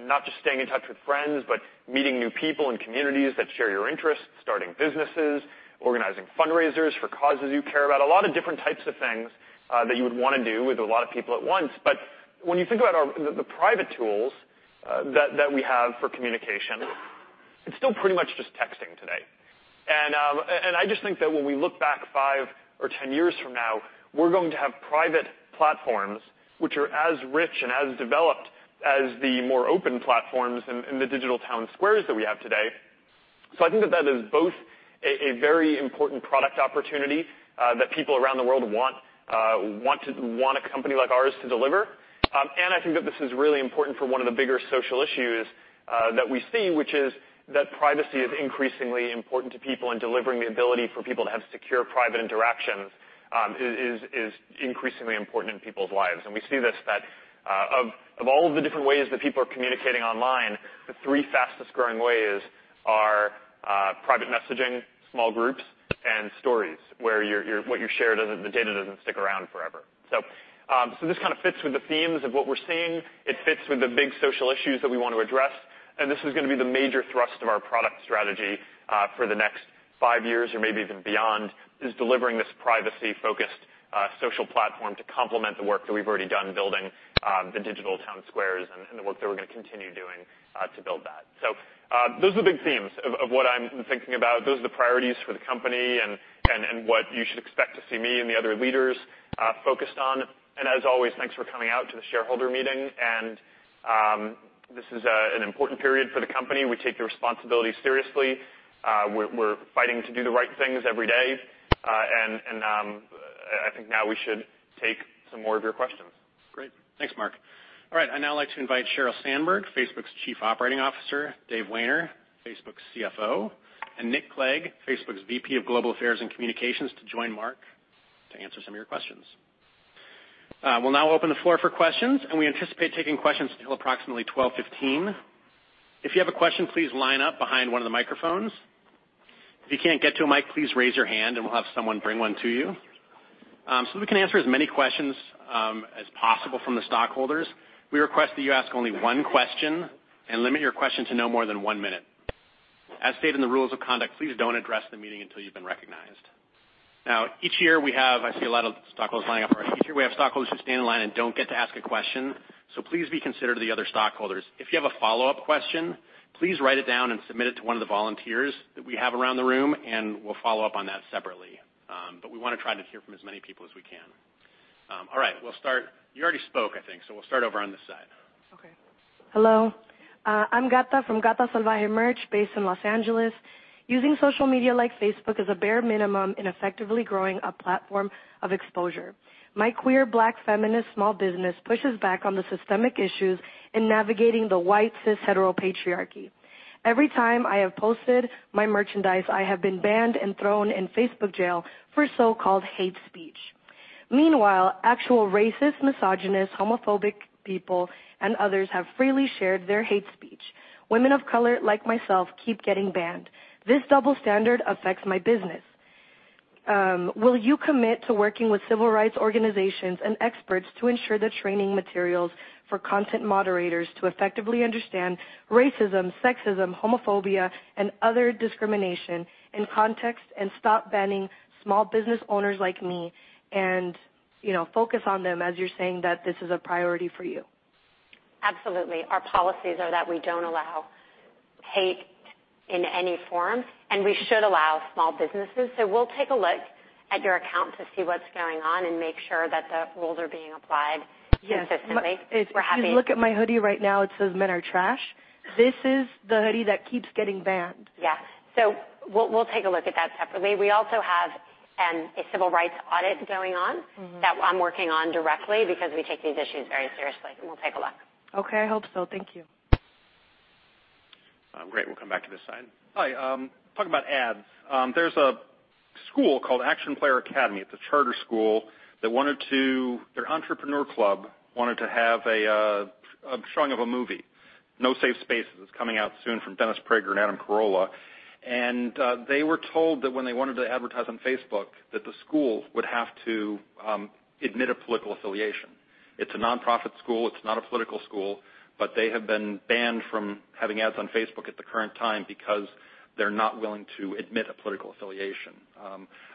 Speaker 8: Not just staying in touch with friends, but meeting new people in communities that share your interests, starting businesses, organizing fundraisers for causes you care about, a lot of different types of things that you would want to do with a lot of people at once. When you think about the private tools that we have for communication, it is still pretty much just texting today. I just think that when we look back five or 10 years from now, we are going to have private platforms which are as rich and as developed as the more open platforms in the digital town squares that we have today. I think that is both a very important product opportunity that people around the world want a company like ours to deliver, and I think that this is really important for one of the bigger social issues that we see, which is that privacy is increasingly important to people, and delivering the ability for people to have secure private interactions is increasingly important in people's lives. We see this, that of all of the different ways that people are communicating online, the three fastest-growing ways are private messaging, small groups, and stories, where the data does not stick around forever. This kind of fits with the themes of what we are seeing. It fits with the big social issues that we want to address, and this is going to be the major thrust of our product strategy for the next five years or maybe even beyond, is delivering this privacy-focused social platform to complement the work that we have already done building the digital town squares and the work that we are going to continue doing to build that. Those are the big themes of what I am thinking about. Those are the priorities for the company and what you should expect to see me and the other leaders focused on. As always, thanks for coming out to the shareholder meeting. This is an important period for the company. We take the responsibility seriously. We are fighting to do the right things every day. I think now we should take some more of your questions.
Speaker 1: Great. Thanks, Mark. All right. I would now like to invite Sheryl Sandberg, Facebook's Chief Operating Officer, Dave Wehner, Facebook's CFO, and Nick Clegg, Facebook's VP of Global Affairs and Communications, to join Mark to answer some of your questions. We will now open the floor for questions, and we anticipate taking questions until approximately 12:15 P.M. If you have a question, please line up behind one of the microphones. If you cannot get to a mic, please raise your hand and we will have someone bring one to you. We can answer as many questions as possible from the stockholders, we request that you ask only one question and limit your question to no more than one minute. As stated in the rules of conduct, please do not address the meeting until you have been recognized. I see a lot of stockholders lining up. Please be considerate of the other stockholders. If you have a follow-up question, please write it down and submit it to one of the volunteers that we have around the room, we'll follow up on that separately. We want to try to hear from as many people as we can. All right. We'll start. You already spoke, I think, we'll start over on this side.
Speaker 9: Okay. Hello. I'm Gatas from Gata Salvaje Merch based in L.A. Using social media like Facebook is a bare minimum in effectively growing a platform of exposure. My queer, Black feminist small business pushes back on the systemic issues in navigating the white, cis, hetero patriarchy. Every time I have posted my merchandise, I have been banned and thrown in Facebook jail for so-called hate speech. Meanwhile, actual racist, misogynist, homophobic people, and others have freely shared their hate speech. Women of color like myself keep getting banned. This double standard affects my business. Will you commit to working with civil rights organizations and experts to ensure the training materials for content moderators to effectively understand racism, sexism, homophobia, and other discrimination in context and stop banning small business owners like me and focus on them as you're saying that this is a priority for you?
Speaker 10: Absolutely. Our policies are that we don't allow hate in any form, we should allow small businesses. We'll take a look at your account to see what's going on and make sure that the rules are being applied consistently.
Speaker 9: Yes.
Speaker 10: We're happy-
Speaker 9: If you look at my hoodie right now, it says, "Men are trash." This is the hoodie that keeps getting banned.
Speaker 10: Yeah. We'll take a look at that separately. We also have a civil rights audit going on. That I'm working on directly because we take these issues very seriously, we'll take a look.
Speaker 9: Okay. I hope so. Thank you.
Speaker 1: Great. We'll come back to this side.
Speaker 11: Hi. Talking about ads. There's a school called Acton Academy. It's a charter school that their entrepreneur club wanted to have a showing of a movie, "No Safe Spaces," coming out soon from Dennis Prager and Adam Carolla. They were told that when they wanted to advertise on Facebook that the school would have to admit a political affiliation. It's a nonprofit school, it's not a political school. They have been banned from having ads on Facebook at the current time because they're not willing to admit a political affiliation.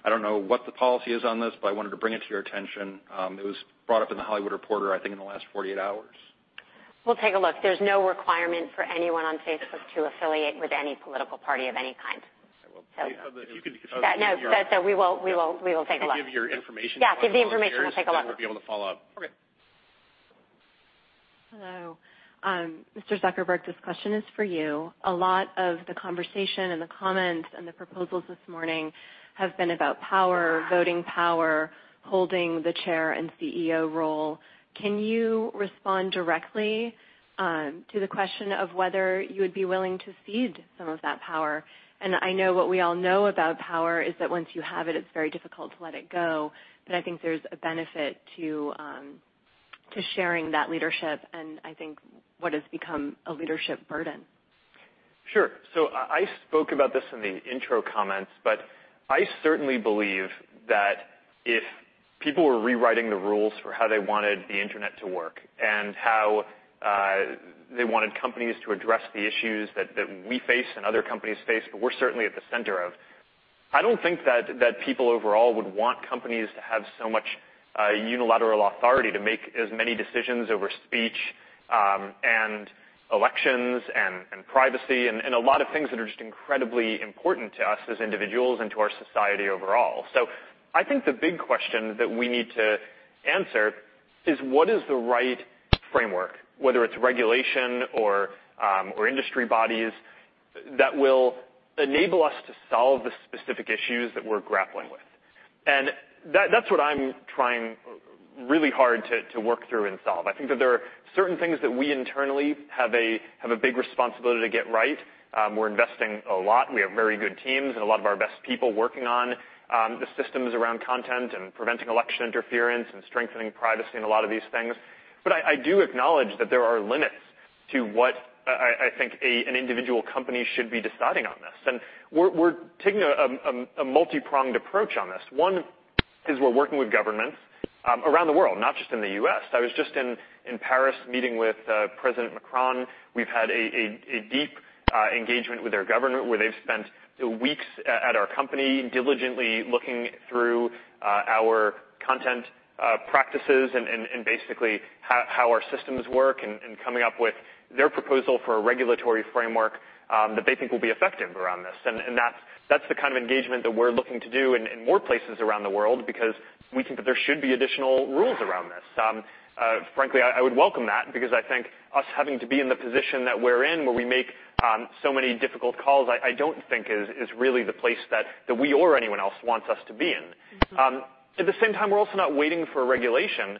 Speaker 11: I don't know what the policy is on this. I wanted to bring it to your attention. It was brought up in "The Hollywood Reporter," I think, in the last 48 hours.
Speaker 10: We'll take a look. There's no requirement for anyone on Facebook to affiliate with any political party of any kind.
Speaker 1: I will tell you.
Speaker 10: We will take a look.
Speaker 1: If you give your information to one of the chairs.
Speaker 10: Yeah, give the information. We'll take a look.
Speaker 1: We'll be able to follow up.
Speaker 11: Okay.
Speaker 5: Hello. Mr. Zuckerberg, this question is for you. A lot of the conversation and the comments and the proposals this morning have been about power, voting power, holding the Chair and CEO role. Can you respond directly to the question of whether you would be willing to cede some of that power? I know what we all know about power is that once you have it's very difficult to let it go. I think there's a benefit to sharing that leadership and I think what has become a leadership burden.
Speaker 8: Sure. I spoke about this in the intro comments, I certainly believe that if people were rewriting the rules for how they wanted the internet to work and how they wanted companies to address the issues that we face and other companies face, but we're certainly at the center of, I don't think that people overall would want companies to have so much unilateral authority to make as many decisions over speech and elections and privacy and a lot of things that are just incredibly important to us as individuals and to our society overall. I think the big question that we need to answer is what is the right framework, whether it's regulation or industry bodies, that will enable us to solve the specific issues that we're grappling with. That's what I'm trying really hard to work through and solve. I think that there are certain things that we internally have a big responsibility to get right. We're investing a lot, and we have very good teams and a lot of our best people working on the systems around content and preventing election interference and strengthening privacy and a lot of these things. I do acknowledge that there are limits to what I think an individual company should be deciding on this. We're taking a multi-pronged approach on this. One is we're working with governments around the world, not just in the U.S. I was just in Paris meeting with President Macron. We've had a deep engagement with their government, where they've spent weeks at our company diligently looking through our content practices and basically how our systems work and coming up with their proposal for a regulatory framework that they think will be effective around this. That's the kind of engagement that we're looking to do in more places around the world because we think that there should be additional rules around this. Frankly, I would welcome that because I think us having to be in the position that we're in, where we make so many difficult calls, I don't think is really the place that we or anyone else wants us to be in. At the same time, we're also not waiting for regulation.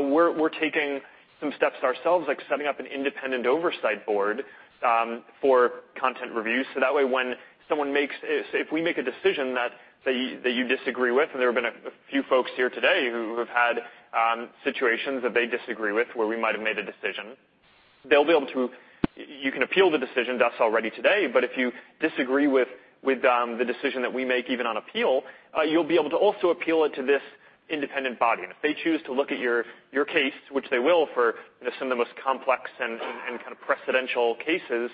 Speaker 8: We're taking some steps ourselves, like setting up an independent oversight board for content reviews, so that way when someone makes If we make a decision that you disagree with, and there have been a few folks here today who have had situations that they disagree with where we might have made a decision. You can appeal the decision to us already today, but if you disagree with the decision that we make, even on appeal, you'll be able to also appeal it to this independent body. If they choose to look at your case, which they will for some of the most complex and kind of precedential cases,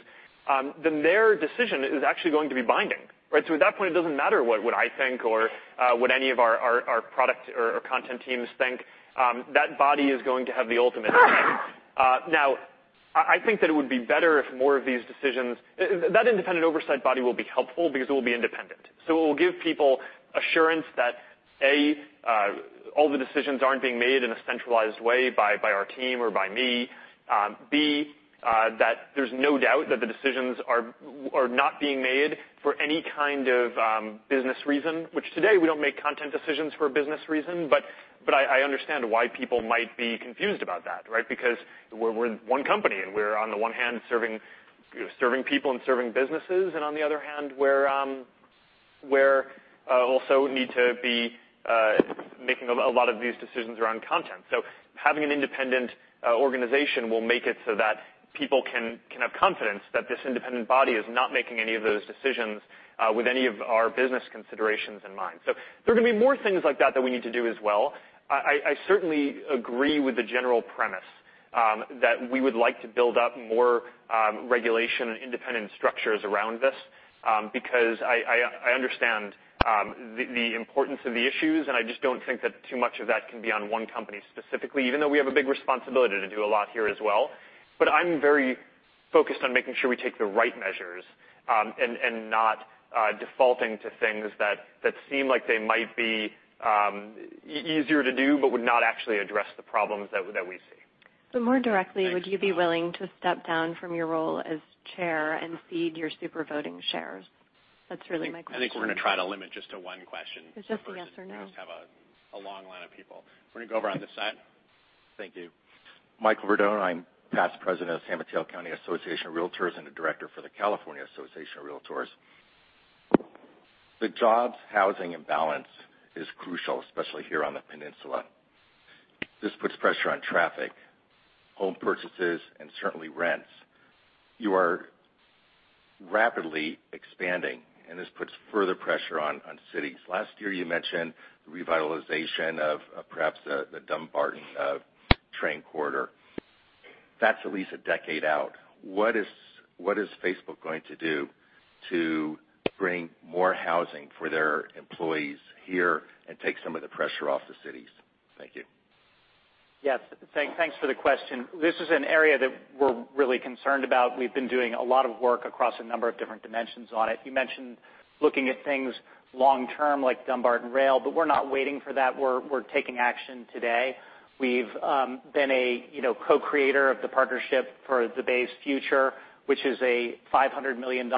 Speaker 8: then their decision is actually going to be binding, right? At that point, it doesn't matter what I think or what any of our product or content teams think. That body is going to have the ultimate say. Now, I think that it would be better if more of these decisions That independent oversight body will be helpful because it will be independent. It will give people assurance that, A, all the decisions aren't being made in a centralized way by our team or by me. B, that there's no doubt that the decisions are not being made for any kind of business reason, which today we don't make content decisions for a business reason, but I understand why people might be confused about that, right? Because we're one company, and we're on the one hand serving people and serving businesses, and on the other hand, we also need to be making a lot of these decisions around content. Having an independent organization will make it so that people can have confidence that this independent body is not making any of those decisions with any of our business considerations in mind. There are going to be more things like that that we need to do as well. I certainly agree with the general premise, that we would like to build up more regulation and independent structures around this, because I understand the importance of the issues, and I just don't think that too much of that can be on one company specifically, even though we have a big responsibility to do a lot here as well. I'm very focused on making sure we take the right measures, and not defaulting to things that seem like they might be easier to do but would not actually address the problems that we see.
Speaker 5: More directly, would you be willing to step down from your role as Chair and cede your super voting shares? That's really my question.
Speaker 1: I think we're going to try to limit just to one question.
Speaker 5: It's just a yes or no.
Speaker 1: We have a long line of people. We're going to go over on this side.
Speaker 12: Thank you. Michael Verdone, I'm past president of San Mateo County Association of Realtors and a director for the California Association of Realtors. The jobs/housing imbalance is crucial, especially here on the Peninsula. This puts pressure on traffic, home purchases, and certainly rents. You are rapidly expanding, and this puts further pressure on cities. Last year, you mentioned the revitalization of perhaps the Dumbarton Rail Corridor. That's at least a decade out. What is Facebook going to do to Bring more housing for their employees here and take some of the pressure off the cities. Thank you.
Speaker 13: Yes. Thanks for the question. This is an area that we're really concerned about. We've been doing a lot of work across a number of different dimensions on it. You mentioned looking at things long-term, like Dumbarton Rail, but we're not waiting for that. We're taking action today. We've been a co-creator of the Partnership for the Bay's Future, which is a $500 million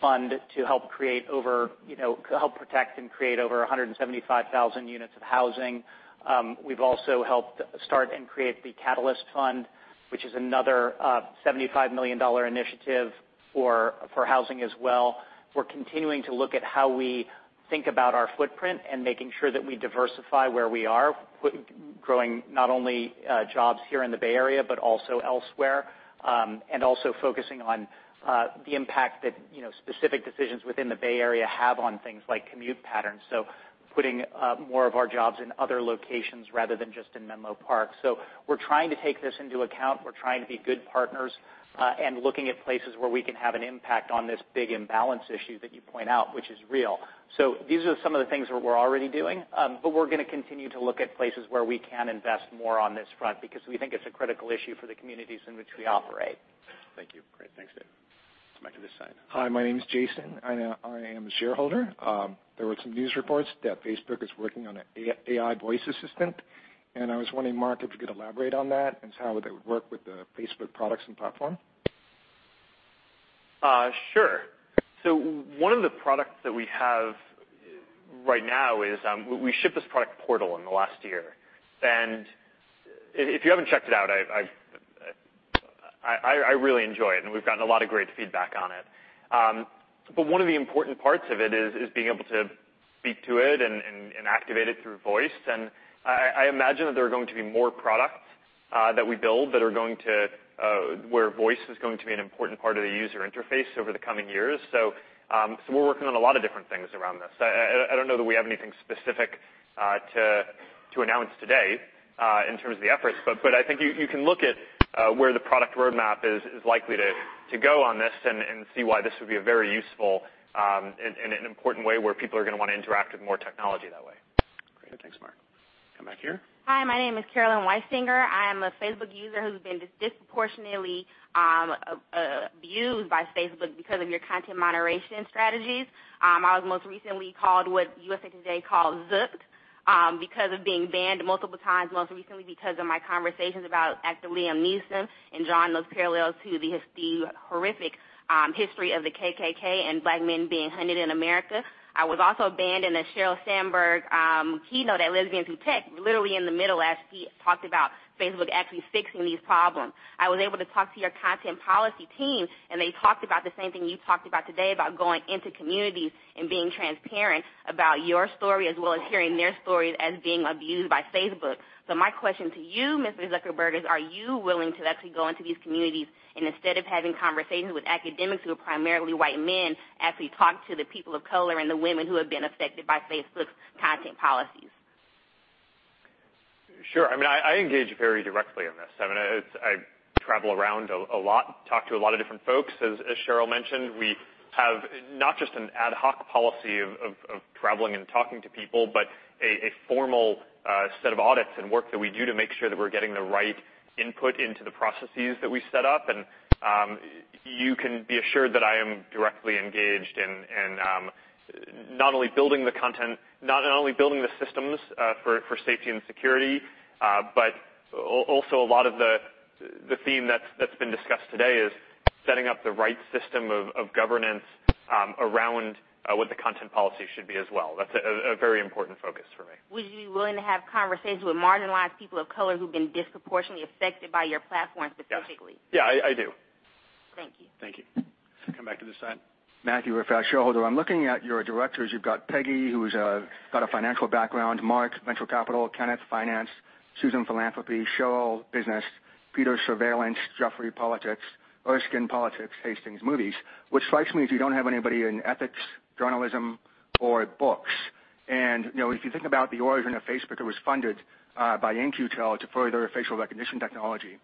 Speaker 13: fund to help protect and create over 175,000 units of housing. We've also helped start and create the Catalyst Fund, which is another $75 million initiative for housing as well. We're continuing to look at how we think about our footprint and making sure that we diversify where we are, growing not only jobs here in the Bay Area, but also elsewhere. Also focusing on the impact that specific decisions within the Bay Area have on things like commute patterns. Putting more of our jobs in other locations rather than just in Menlo Park. We're trying to take this into account. We're trying to be good partners and looking at places where we can have an impact on this big imbalance issue that you point out, which is real. These are some of the things that we're already doing, but we're going to continue to look at places where we can invest more on this front because we think it's a critical issue for the communities in which we operate.
Speaker 1: Thank you. Great. Thanks, David. Let's come back to this side.
Speaker 14: Hi, my name is Jason. I am a shareholder. There were some news reports that Facebook is working on an AI voice assistant. I was wondering, Mark, if you could elaborate on that. How would that work with the Facebook products and platform?
Speaker 8: Sure. One of the products that we have right now is, we shipped this product Portal in the last year. If you haven't checked it out, I really enjoy it. We've gotten a lot of great feedback on it. One of the important parts of it is being able to speak to it and activate it through voice. I imagine that there are going to be more products that we build where voice is going to be an important part of the user interface over the coming years. We're working on a lot of different things around this. I don't know that we have anything specific to announce today in terms of the efforts. I think you can look at where the product roadmap is likely to go on this and see why this would be very useful and an important way where people are going to want to interact with more technology that way.
Speaker 1: Great. Thanks, Mark. Come back here.
Speaker 15: Hi, my name is Carolyn Weisinger. I am a Facebook user who's been disproportionately abused by Facebook because of your content moderation strategies. I was most recently called what USA Today called "Zucked," because of being banned multiple times, most recently because of my conversations about actor Liam Neeson and drawing those parallels to the horrific history of the KKK and Black men being hunted in America. I was also banned in a Sheryl Sandberg keynote at Lesbians Who Tech, literally in the middle as she talked about Facebook actually fixing these problems. They talked about the same thing you talked about today, about going into communities and being transparent about your story, as well as hearing their stories as being abused by Facebook. My question to you, Mr. Zuckerberg, is are you willing to actually go into these communities and instead of having conversations with academics who are primarily white men, actually talk to the people of color and the women who have been affected by Facebook's content policies?
Speaker 8: Sure. I engage very directly in this. I travel around a lot, talk to a lot of different folks. As Sheryl mentioned, we have not just an ad hoc policy of traveling and talking to people, but a formal set of audits and work that we do to make sure that we're getting the right input into the processes that we set up. You can be assured that I am directly engaged in not only building the systems for safety and security. Also a lot of the theme that's been discussed today is setting up the right system of governance around what the content policy should be as well. That's a very important focus for me.
Speaker 15: Would you be willing to have conversations with marginalized people of color who've been disproportionately affected by your platform specifically?
Speaker 8: Yes, I do.
Speaker 15: Thank you.
Speaker 8: Thank you.
Speaker 1: Come back to this side.
Speaker 16: Matthew Raff, shareholder. I'm looking at your directors. You've got Peggy, who's got a financial background, Mark, venture capital, Kenneth, finance, Susan, philanthropy, Sheryl, business, Peter, surveillance, Jeffrey, politics, Erskine, politics, Hastings, movies. Which strikes me as you don't have anybody in ethics, journalism or books. If you think about the origin of Facebook, it was funded by In-Q-Tel to further facial recognition technology.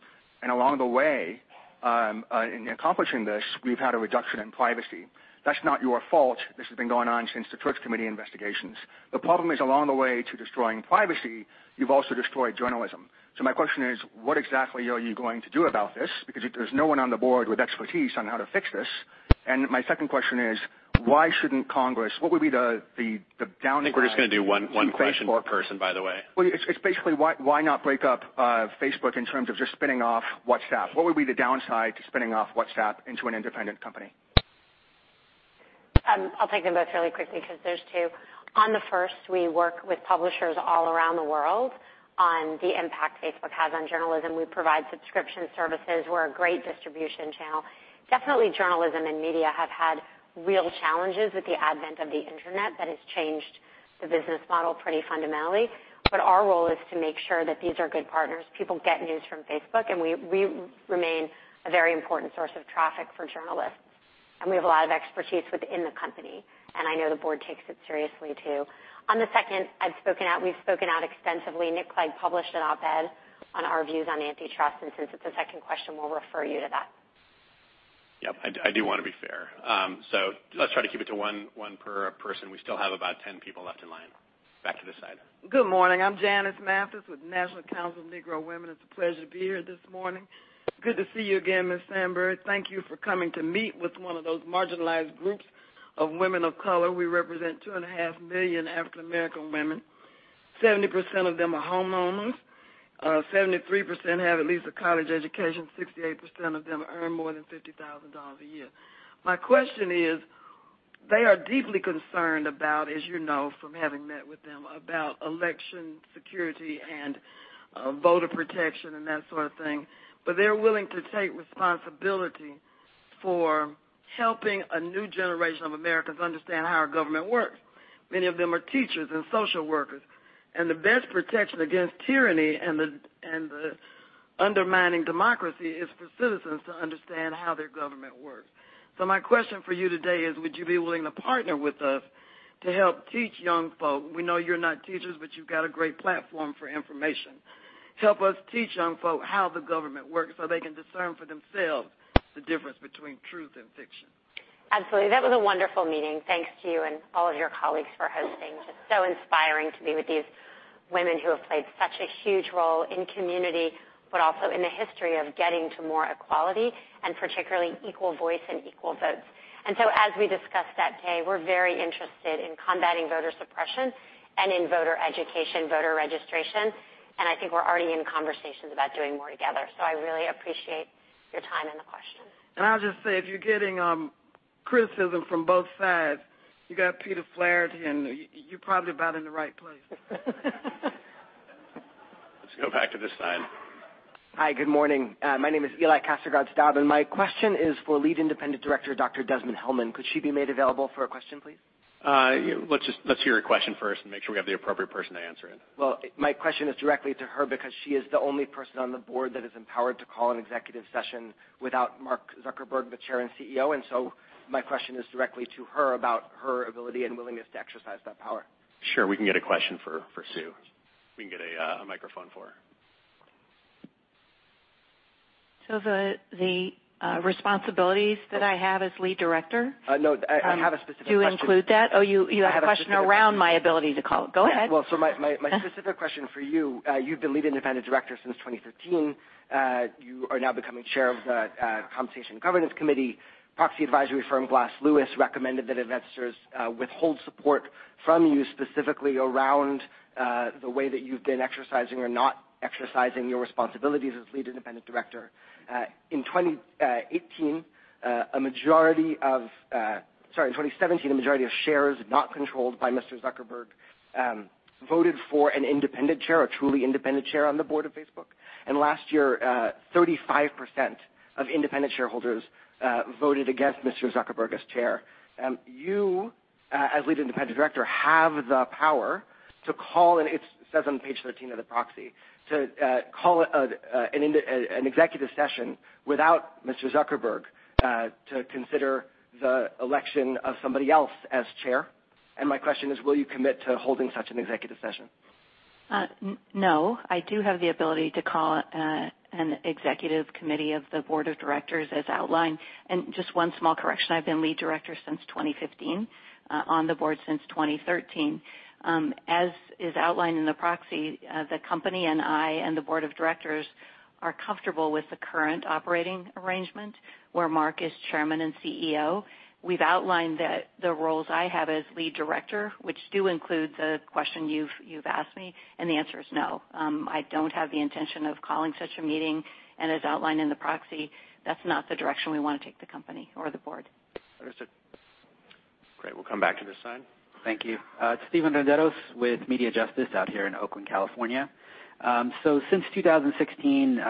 Speaker 16: Along the way, in accomplishing this, we've had a reduction in privacy. That's not your fault. This has been going on since the Church Committee investigations. The problem is, along the way to destroying privacy, you've also destroyed journalism. My question is, what exactly are you going to do about this? Because there's no one on the board with expertise on how to fix this. My second question is, why shouldn't Congress-- what would be the downside to Facebook-
Speaker 1: I think we're just going to do one question per person, by the way.
Speaker 16: Well, it's basically why not break up Facebook in terms of just spinning off WhatsApp? What would be the downside to spinning off WhatsApp into an independent company?
Speaker 10: I'll take them both really quickly because there's two. On the first, we work with publishers all around the world on the impact Facebook has on journalism. We provide subscription services. We're a great distribution channel. Definitely journalism and media have had real challenges with the advent of the internet that has changed the business model pretty fundamentally. Our role is to make sure that these are good partners. People get news from Facebook, and we remain a very important source of traffic for journalists, and we have a lot of expertise within the company. I know the board takes it seriously too. On the second, we've spoken out extensively. Nick Clegg published an op-ed on our views on antitrust. Since it's a second question, we'll refer you to that.
Speaker 1: Yep. I do want to be fair. Let's try to keep it to one per person. We still have about 10 people left in line. Back to this side.
Speaker 17: Good morning. I'm Janice Mathis with National Council of Negro Women. It's a pleasure to be here this morning. Good to see you again, Ms. Sandberg. Thank you for coming to meet with one of those marginalized groups of women of color. We represent two and a half million African American women. 70% of them are homeowners. 73% have at least a college education. 68% of them earn more than $50,000 a year. My question is, they are deeply concerned about, as you know from having met with them, about election security and voter protection and that sort of thing, but they're willing to take responsibility for helping a new generation of Americans understand how our government works. Many of them are teachers and social workers. The best protection against tyranny and the undermining democracy is for citizens to understand how their government works. My question for you today is, would you be willing to partner with us to help teach young folk? We know you're not teachers, but you've got a great platform for information. Help us teach young folk how the government works so they can discern for themselves the difference between truth and fiction.
Speaker 10: Absolutely. That was a wonderful meeting. Thanks to you and all of your colleagues for hosting. Just so inspiring to be with these women who have played such a huge role in community, but also in the history of getting to more equality and particularly equal voice and equal votes. As we discussed that day, we're very interested in combating voter suppression and in voter education, voter registration, and I think we're already in conversations about doing more together. I really appreciate your time and the question.
Speaker 17: I'll just say, if you're getting criticism from both sides, you got Peter Flaherty, and you're probably about in the right place.
Speaker 1: Let's go back to this side.
Speaker 18: Hi, good morning. My name is Eli Castrogonzalez, and my question is for Lead Independent Director, Dr. Desmond-Hellmann. Could she be made available for a question, please?
Speaker 1: Let's hear your question first and make sure we have the appropriate person to answer it.
Speaker 18: Well, my question is directly to her because she is the only person on the board that is empowered to call an executive session without Mark Zuckerberg, the Chair, and CEO. My question is directly to her about her ability and willingness to exercise that power.
Speaker 1: Sure. We can get a question for Sue. We can get a microphone for her.
Speaker 19: The responsibilities that I have as lead director.
Speaker 18: No, I have a specific question.
Speaker 19: do include that. Oh, you have a question around my ability to call. Go ahead.
Speaker 18: Well, my specific question for you've been lead independent director since 2013. You are now becoming chair of the Compensation and Governance Committee. Proxy advisory firm Glass Lewis recommended that investors withhold support from you specifically around the way that you've been exercising or not exercising your responsibilities as lead independent director. In 2018, Sorry, in 2017, a majority of shares not controlled by Mr. Zuckerberg voted for an independent chair, a truly independent chair on the board of Facebook. Last year, 35% of independent shareholders voted against Mr. Zuckerberg as chair. You, as lead independent director, have the power to call, and it says on page 13 of the proxy, to call an executive session without Mr. Zuckerberg to consider the election of somebody else as chair. My question is, will you commit to holding such an executive session?
Speaker 19: No. I do have the ability to call an executive committee of the board of directors as outlined. Just one small correction, I've been lead director since 2015, on the board since 2013. As is outlined in the proxy, the company and I and the board of directors are comfortable with the current operating arrangement where Mark is Chairman and CEO. We've outlined the roles I have as lead director, which do include the question you've asked me, and the answer is no. I don't have the intention of calling such a meeting, and as outlined in the proxy, that's not the direction we want to take the company or the board.
Speaker 1: Understood. Great. We'll come back to this side.
Speaker 20: Thank you. It's Steven Renderos with MediaJustice out here in Oakland, California. Since 2016,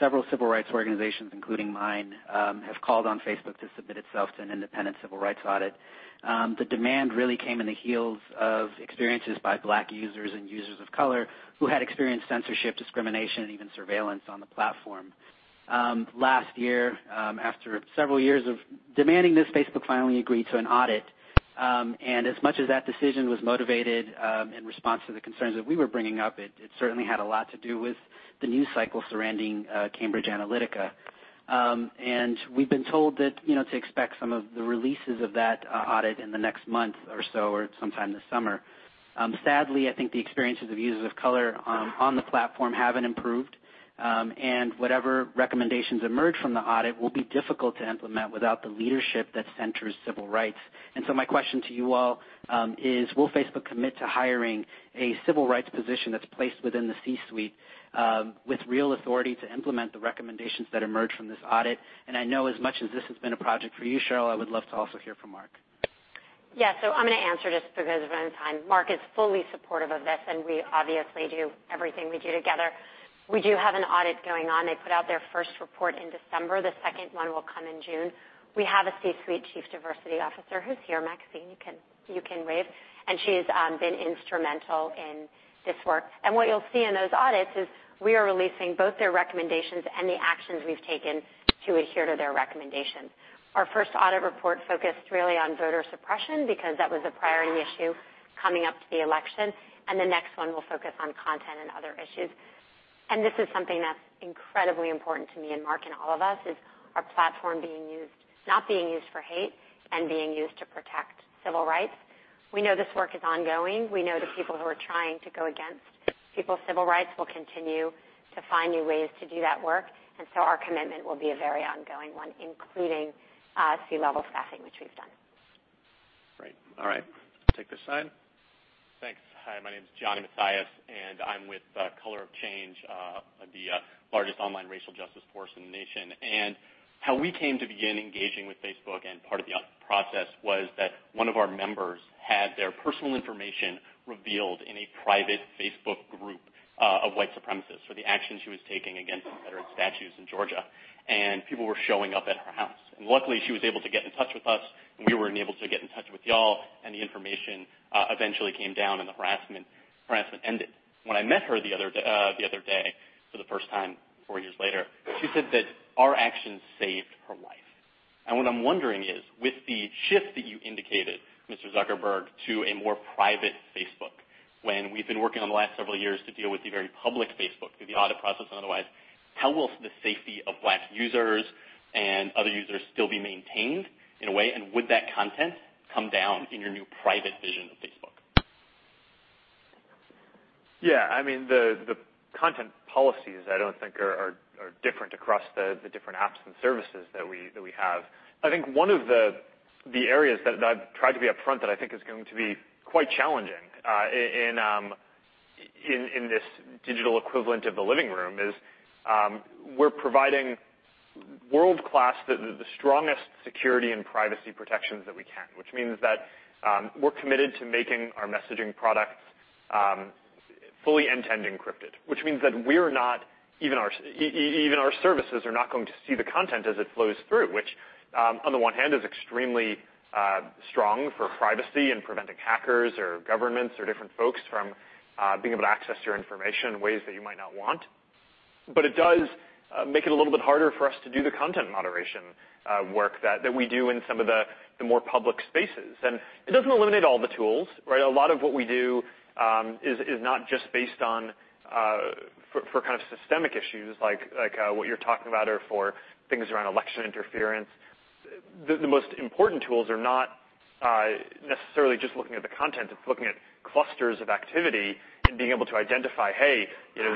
Speaker 20: several civil rights organizations, including mine, have called on Facebook to submit itself to an independent civil rights audit. The demand really came in the heels of experiences by Black users and users of color who had experienced censorship, discrimination, and even surveillance on the platform. Last year, after several years of demanding this, Facebook finally agreed to an audit, and as much as that decision was motivated in response to the concerns that we were bringing up, it certainly had a lot to do with the news cycle surrounding Cambridge Analytica. We've been told to expect some of the releases of that audit in the next month or so, or sometime this summer. Sadly, I think the experiences of users of color on the platform haven't improved. Whatever recommendations emerge from the audit will be difficult to implement without the leadership that centers civil rights. My question to you all is, will Facebook commit to hiring a civil rights position that's placed within the C-suite with real authority to implement the recommendations that emerge from this audit? I know as much as this has been a project for you, Sheryl, I would love to also hear from Mark.
Speaker 10: Yeah. I'm going to answer just because of run time. Mark is fully supportive of this, and we obviously do everything we do together. We do have an audit going on. They put out their first report in December. The second one will come in June. We have a C-suite chief diversity officer who's here, Maxine, you can wave. She's been instrumental in this work. What you'll see in those audits is we are releasing both their recommendations and the actions we've taken to adhere to their recommendations. Our first audit report focused really on voter suppression, because that was a priority issue coming up to the election, and the next one will focus on content and other issues. This is something that's incredibly important to me and Mark and all of us, is our platform not being used for hate and being used to protect civil rights. We know this work is ongoing. We know the people who are trying to go against people's civil rights will continue to find new ways to do that work, our commitment will be a very ongoing one, including C-level staffing, which we've done.
Speaker 1: Great. All right. I'll take this side.
Speaker 21: Thanks. Hi, my name is Johnny Matias, I'm with Color of Change, the largest online racial justice force in the nation. How we came to begin engaging with Facebook and part of the process was that one of our members had their personal information revealed in a private Facebook group of white supremacists for the action she was taking against Confederate statues in Georgia, and people were showing up at her house. Luckily, she was able to get in touch with us, and we were able to get in touch with you all, and the information eventually came down, and the harassment ended. When I met her the other day for the first time, four years later, she said that our actions saved her life. What I'm wondering is, with the shift that you indicated, Mr. Zuckerberg, to a more private Facebook, when we've been working on the last several years to deal with the very public Facebook, through the audit process and otherwise, how will the safety of Black users and other users still be maintained in a way, and would that content come down in your new private vision of Facebook?
Speaker 8: Yeah. The content policies I don't think are different across the different apps and services that we have. I think one of the areas that I've tried to be upfront that I think is going to be quite challenging in this digital equivalent of the living room is we're providing world-class, the strongest security and privacy protections that we can, which means that we're committed to making our messaging products fully end-to-end encrypted. Which means that even our services are not going to see the content as it flows through, which on the one hand is extremely strong for privacy and preventing hackers or governments or different folks from being able to access your information in ways that you might not want. It does make it a little bit harder for us to do the content moderation work that we do in some of the more public spaces. It doesn't eliminate all the tools, right? A lot of what we do is not just based on for kind of systemic issues like what you're talking about or for things around election interference. The most important tools are not necessarily just looking at the content. It's looking at clusters of activity and being able to identify, hey,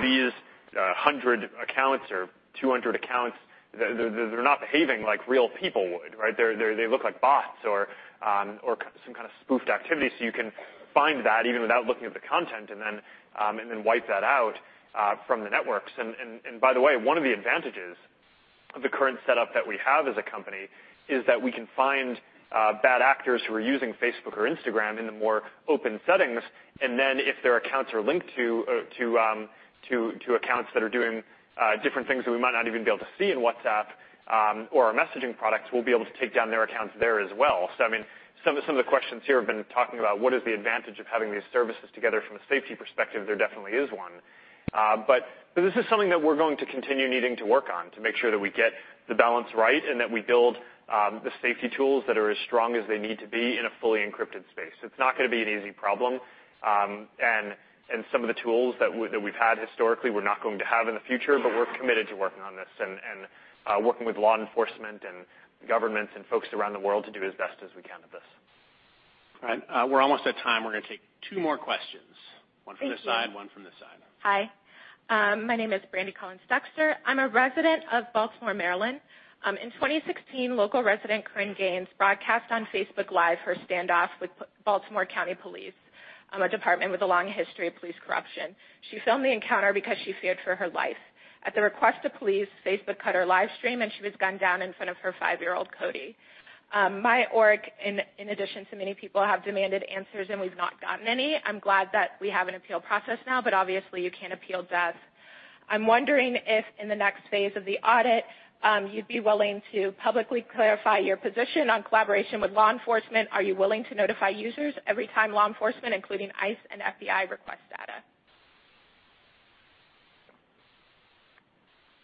Speaker 8: these 100 accounts or 200 accounts, they're not behaving like real people would, right? They look like bots or some kind of spoofed activity, so you can find that even without looking at the content and then wipe that out from the networks. By the way, one of the advantages of the current setup that we have as a company is that we can find bad actors who are using Facebook or Instagram in the more open settings, and then if their accounts are linked to accounts that are doing different things that we might not even be able to see in WhatsApp or our messaging products, we'll be able to take down their accounts there as well. Some of the questions here have been talking about what is the advantage of having these services together from a safety perspective. There definitely is one. This is something that we're going to continue needing to work on to make sure that we get the balance right and that we build the safety tools that are as strong as they need to be in a fully encrypted space. It's not going to be an easy problem. Some of the tools that we've had historically, we're not going to have in the future, we're committed to working on this and working with law enforcement and governments and folks around the world to do as best as we can with this.
Speaker 1: All right. We're almost at time. We're going to take two more questions.
Speaker 22: Thank you.
Speaker 1: One from this side, one from this side.
Speaker 22: Hi. My name is Brandi Collins-Dexter. I'm a resident of Baltimore, Maryland. In 2016, local resident Korryn Gaines broadcast on Facebook Live her standoff with Baltimore County police, a department with a long history of police corruption. She filmed the encounter because she feared for her life. At the request of police, Facebook cut her live stream, and she was gunned down in front of her five-year-old, Kodi. My org, in addition to many people, have demanded answers, and we've not gotten any. I'm glad that we have an appeal process now, obviously, you can't appeal death. I'm wondering if in the next phase of the audit, you'd be willing to publicly clarify your position on collaboration with law enforcement. Are you willing to notify users every time law enforcement, including ICE and FBI, request data?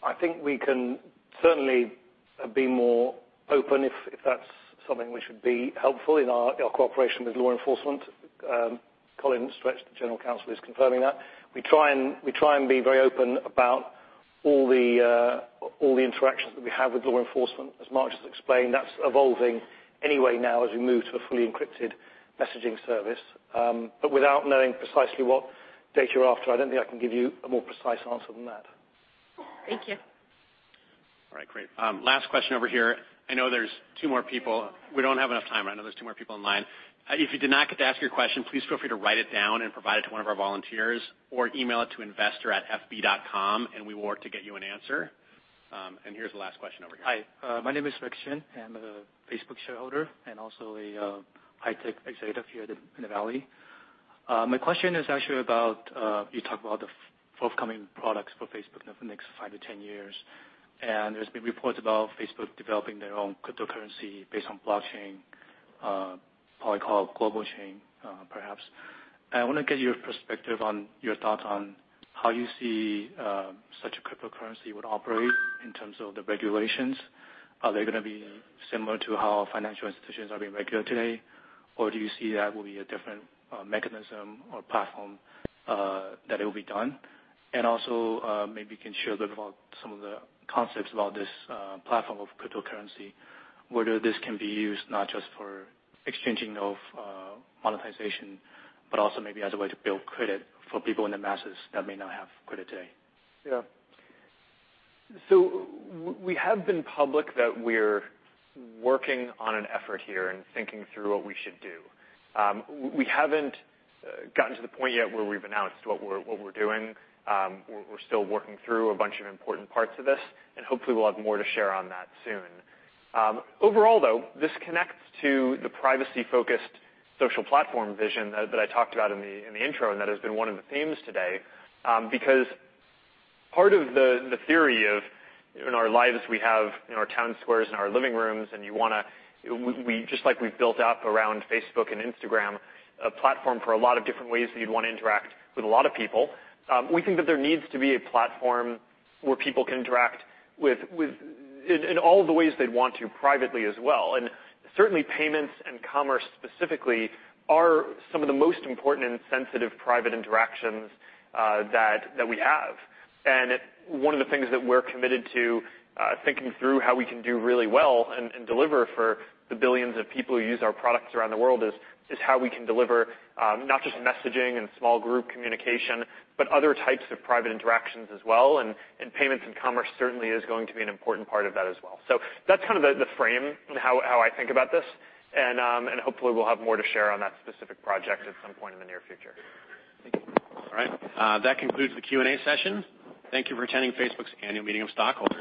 Speaker 10: I think we can certainly be more open if that's something which would be helpful in our cooperation with law enforcement. Colin Stretch, the General Counsel, is confirming that. We try and be very open about all the interactions that we have with law enforcement. As Mark just explained, that's evolving anyway now as we move to a fully encrypted messaging service. Without knowing precisely what data you're after, I don't think I can give you a more precise answer than that.
Speaker 22: Thank you.
Speaker 1: All right. Great. Last question over here. I know there's two more people. We don't have enough time. I know there's two more people in line. If you did not get to ask your question, please feel free to write it down and provide it to one of our volunteers or email it to investor@fb.com. We will work to get you an answer. Here's the last question over here.
Speaker 23: Hi, my name is Rick Chen. I'm a Facebook shareholder and also a high tech executive here in the Valley. My question is actually about, you talk about the forthcoming products for Facebook in the next 5 to 10 years. There's been reports about Facebook developing their own cryptocurrency based on blockchain, probably called GlobalCoin perhaps. I want to get your perspective on your thoughts on how you see such a cryptocurrency would operate in terms of the regulations. Are they going to be similar to how financial institutions are being regulated today? Do you see that will be a different mechanism or platform that it will be done? maybe you can share a bit about some of the concepts about this platform of cryptocurrency, whether this can be used not just for exchanging of monetization, but also maybe as a way to build credit for people in the masses that may not have credit today.
Speaker 8: We have been public that we're working on an effort here and thinking through what we should do. We haven't gotten to the point yet where we've announced what we're doing. We're still working through a bunch of important parts of this, and hopefully we'll have more to share on that soon. Overall, though, this connects to the privacy-focused social platform vision that I talked about in the intro, and that has been one of the themes today. Because part of the theory of in our lives, we have our town squares and our living rooms, and just like we've built up around Facebook and Instagram, a platform for a lot of different ways that you'd want to interact with a lot of people. We think that there needs to be a platform where people can interact in all the ways they'd want to privately as well. Certainly, payments and commerce specifically are some of the most important and sensitive private interactions that we have. One of the things that we're committed to thinking through how we can do really well and deliver for the billions of people who use our products around the world is how we can deliver not just messaging and small group communication, but other types of private interactions as well, and payments and commerce certainly is going to be an important part of that as well. That's kind of the frame in how I think about this, and hopefully, we'll have more to share on that specific project at some point in the near future.
Speaker 23: Thank you.
Speaker 8: All right. That concludes the Q&A session. Thank you for attending Facebook's annual meeting of stockholders.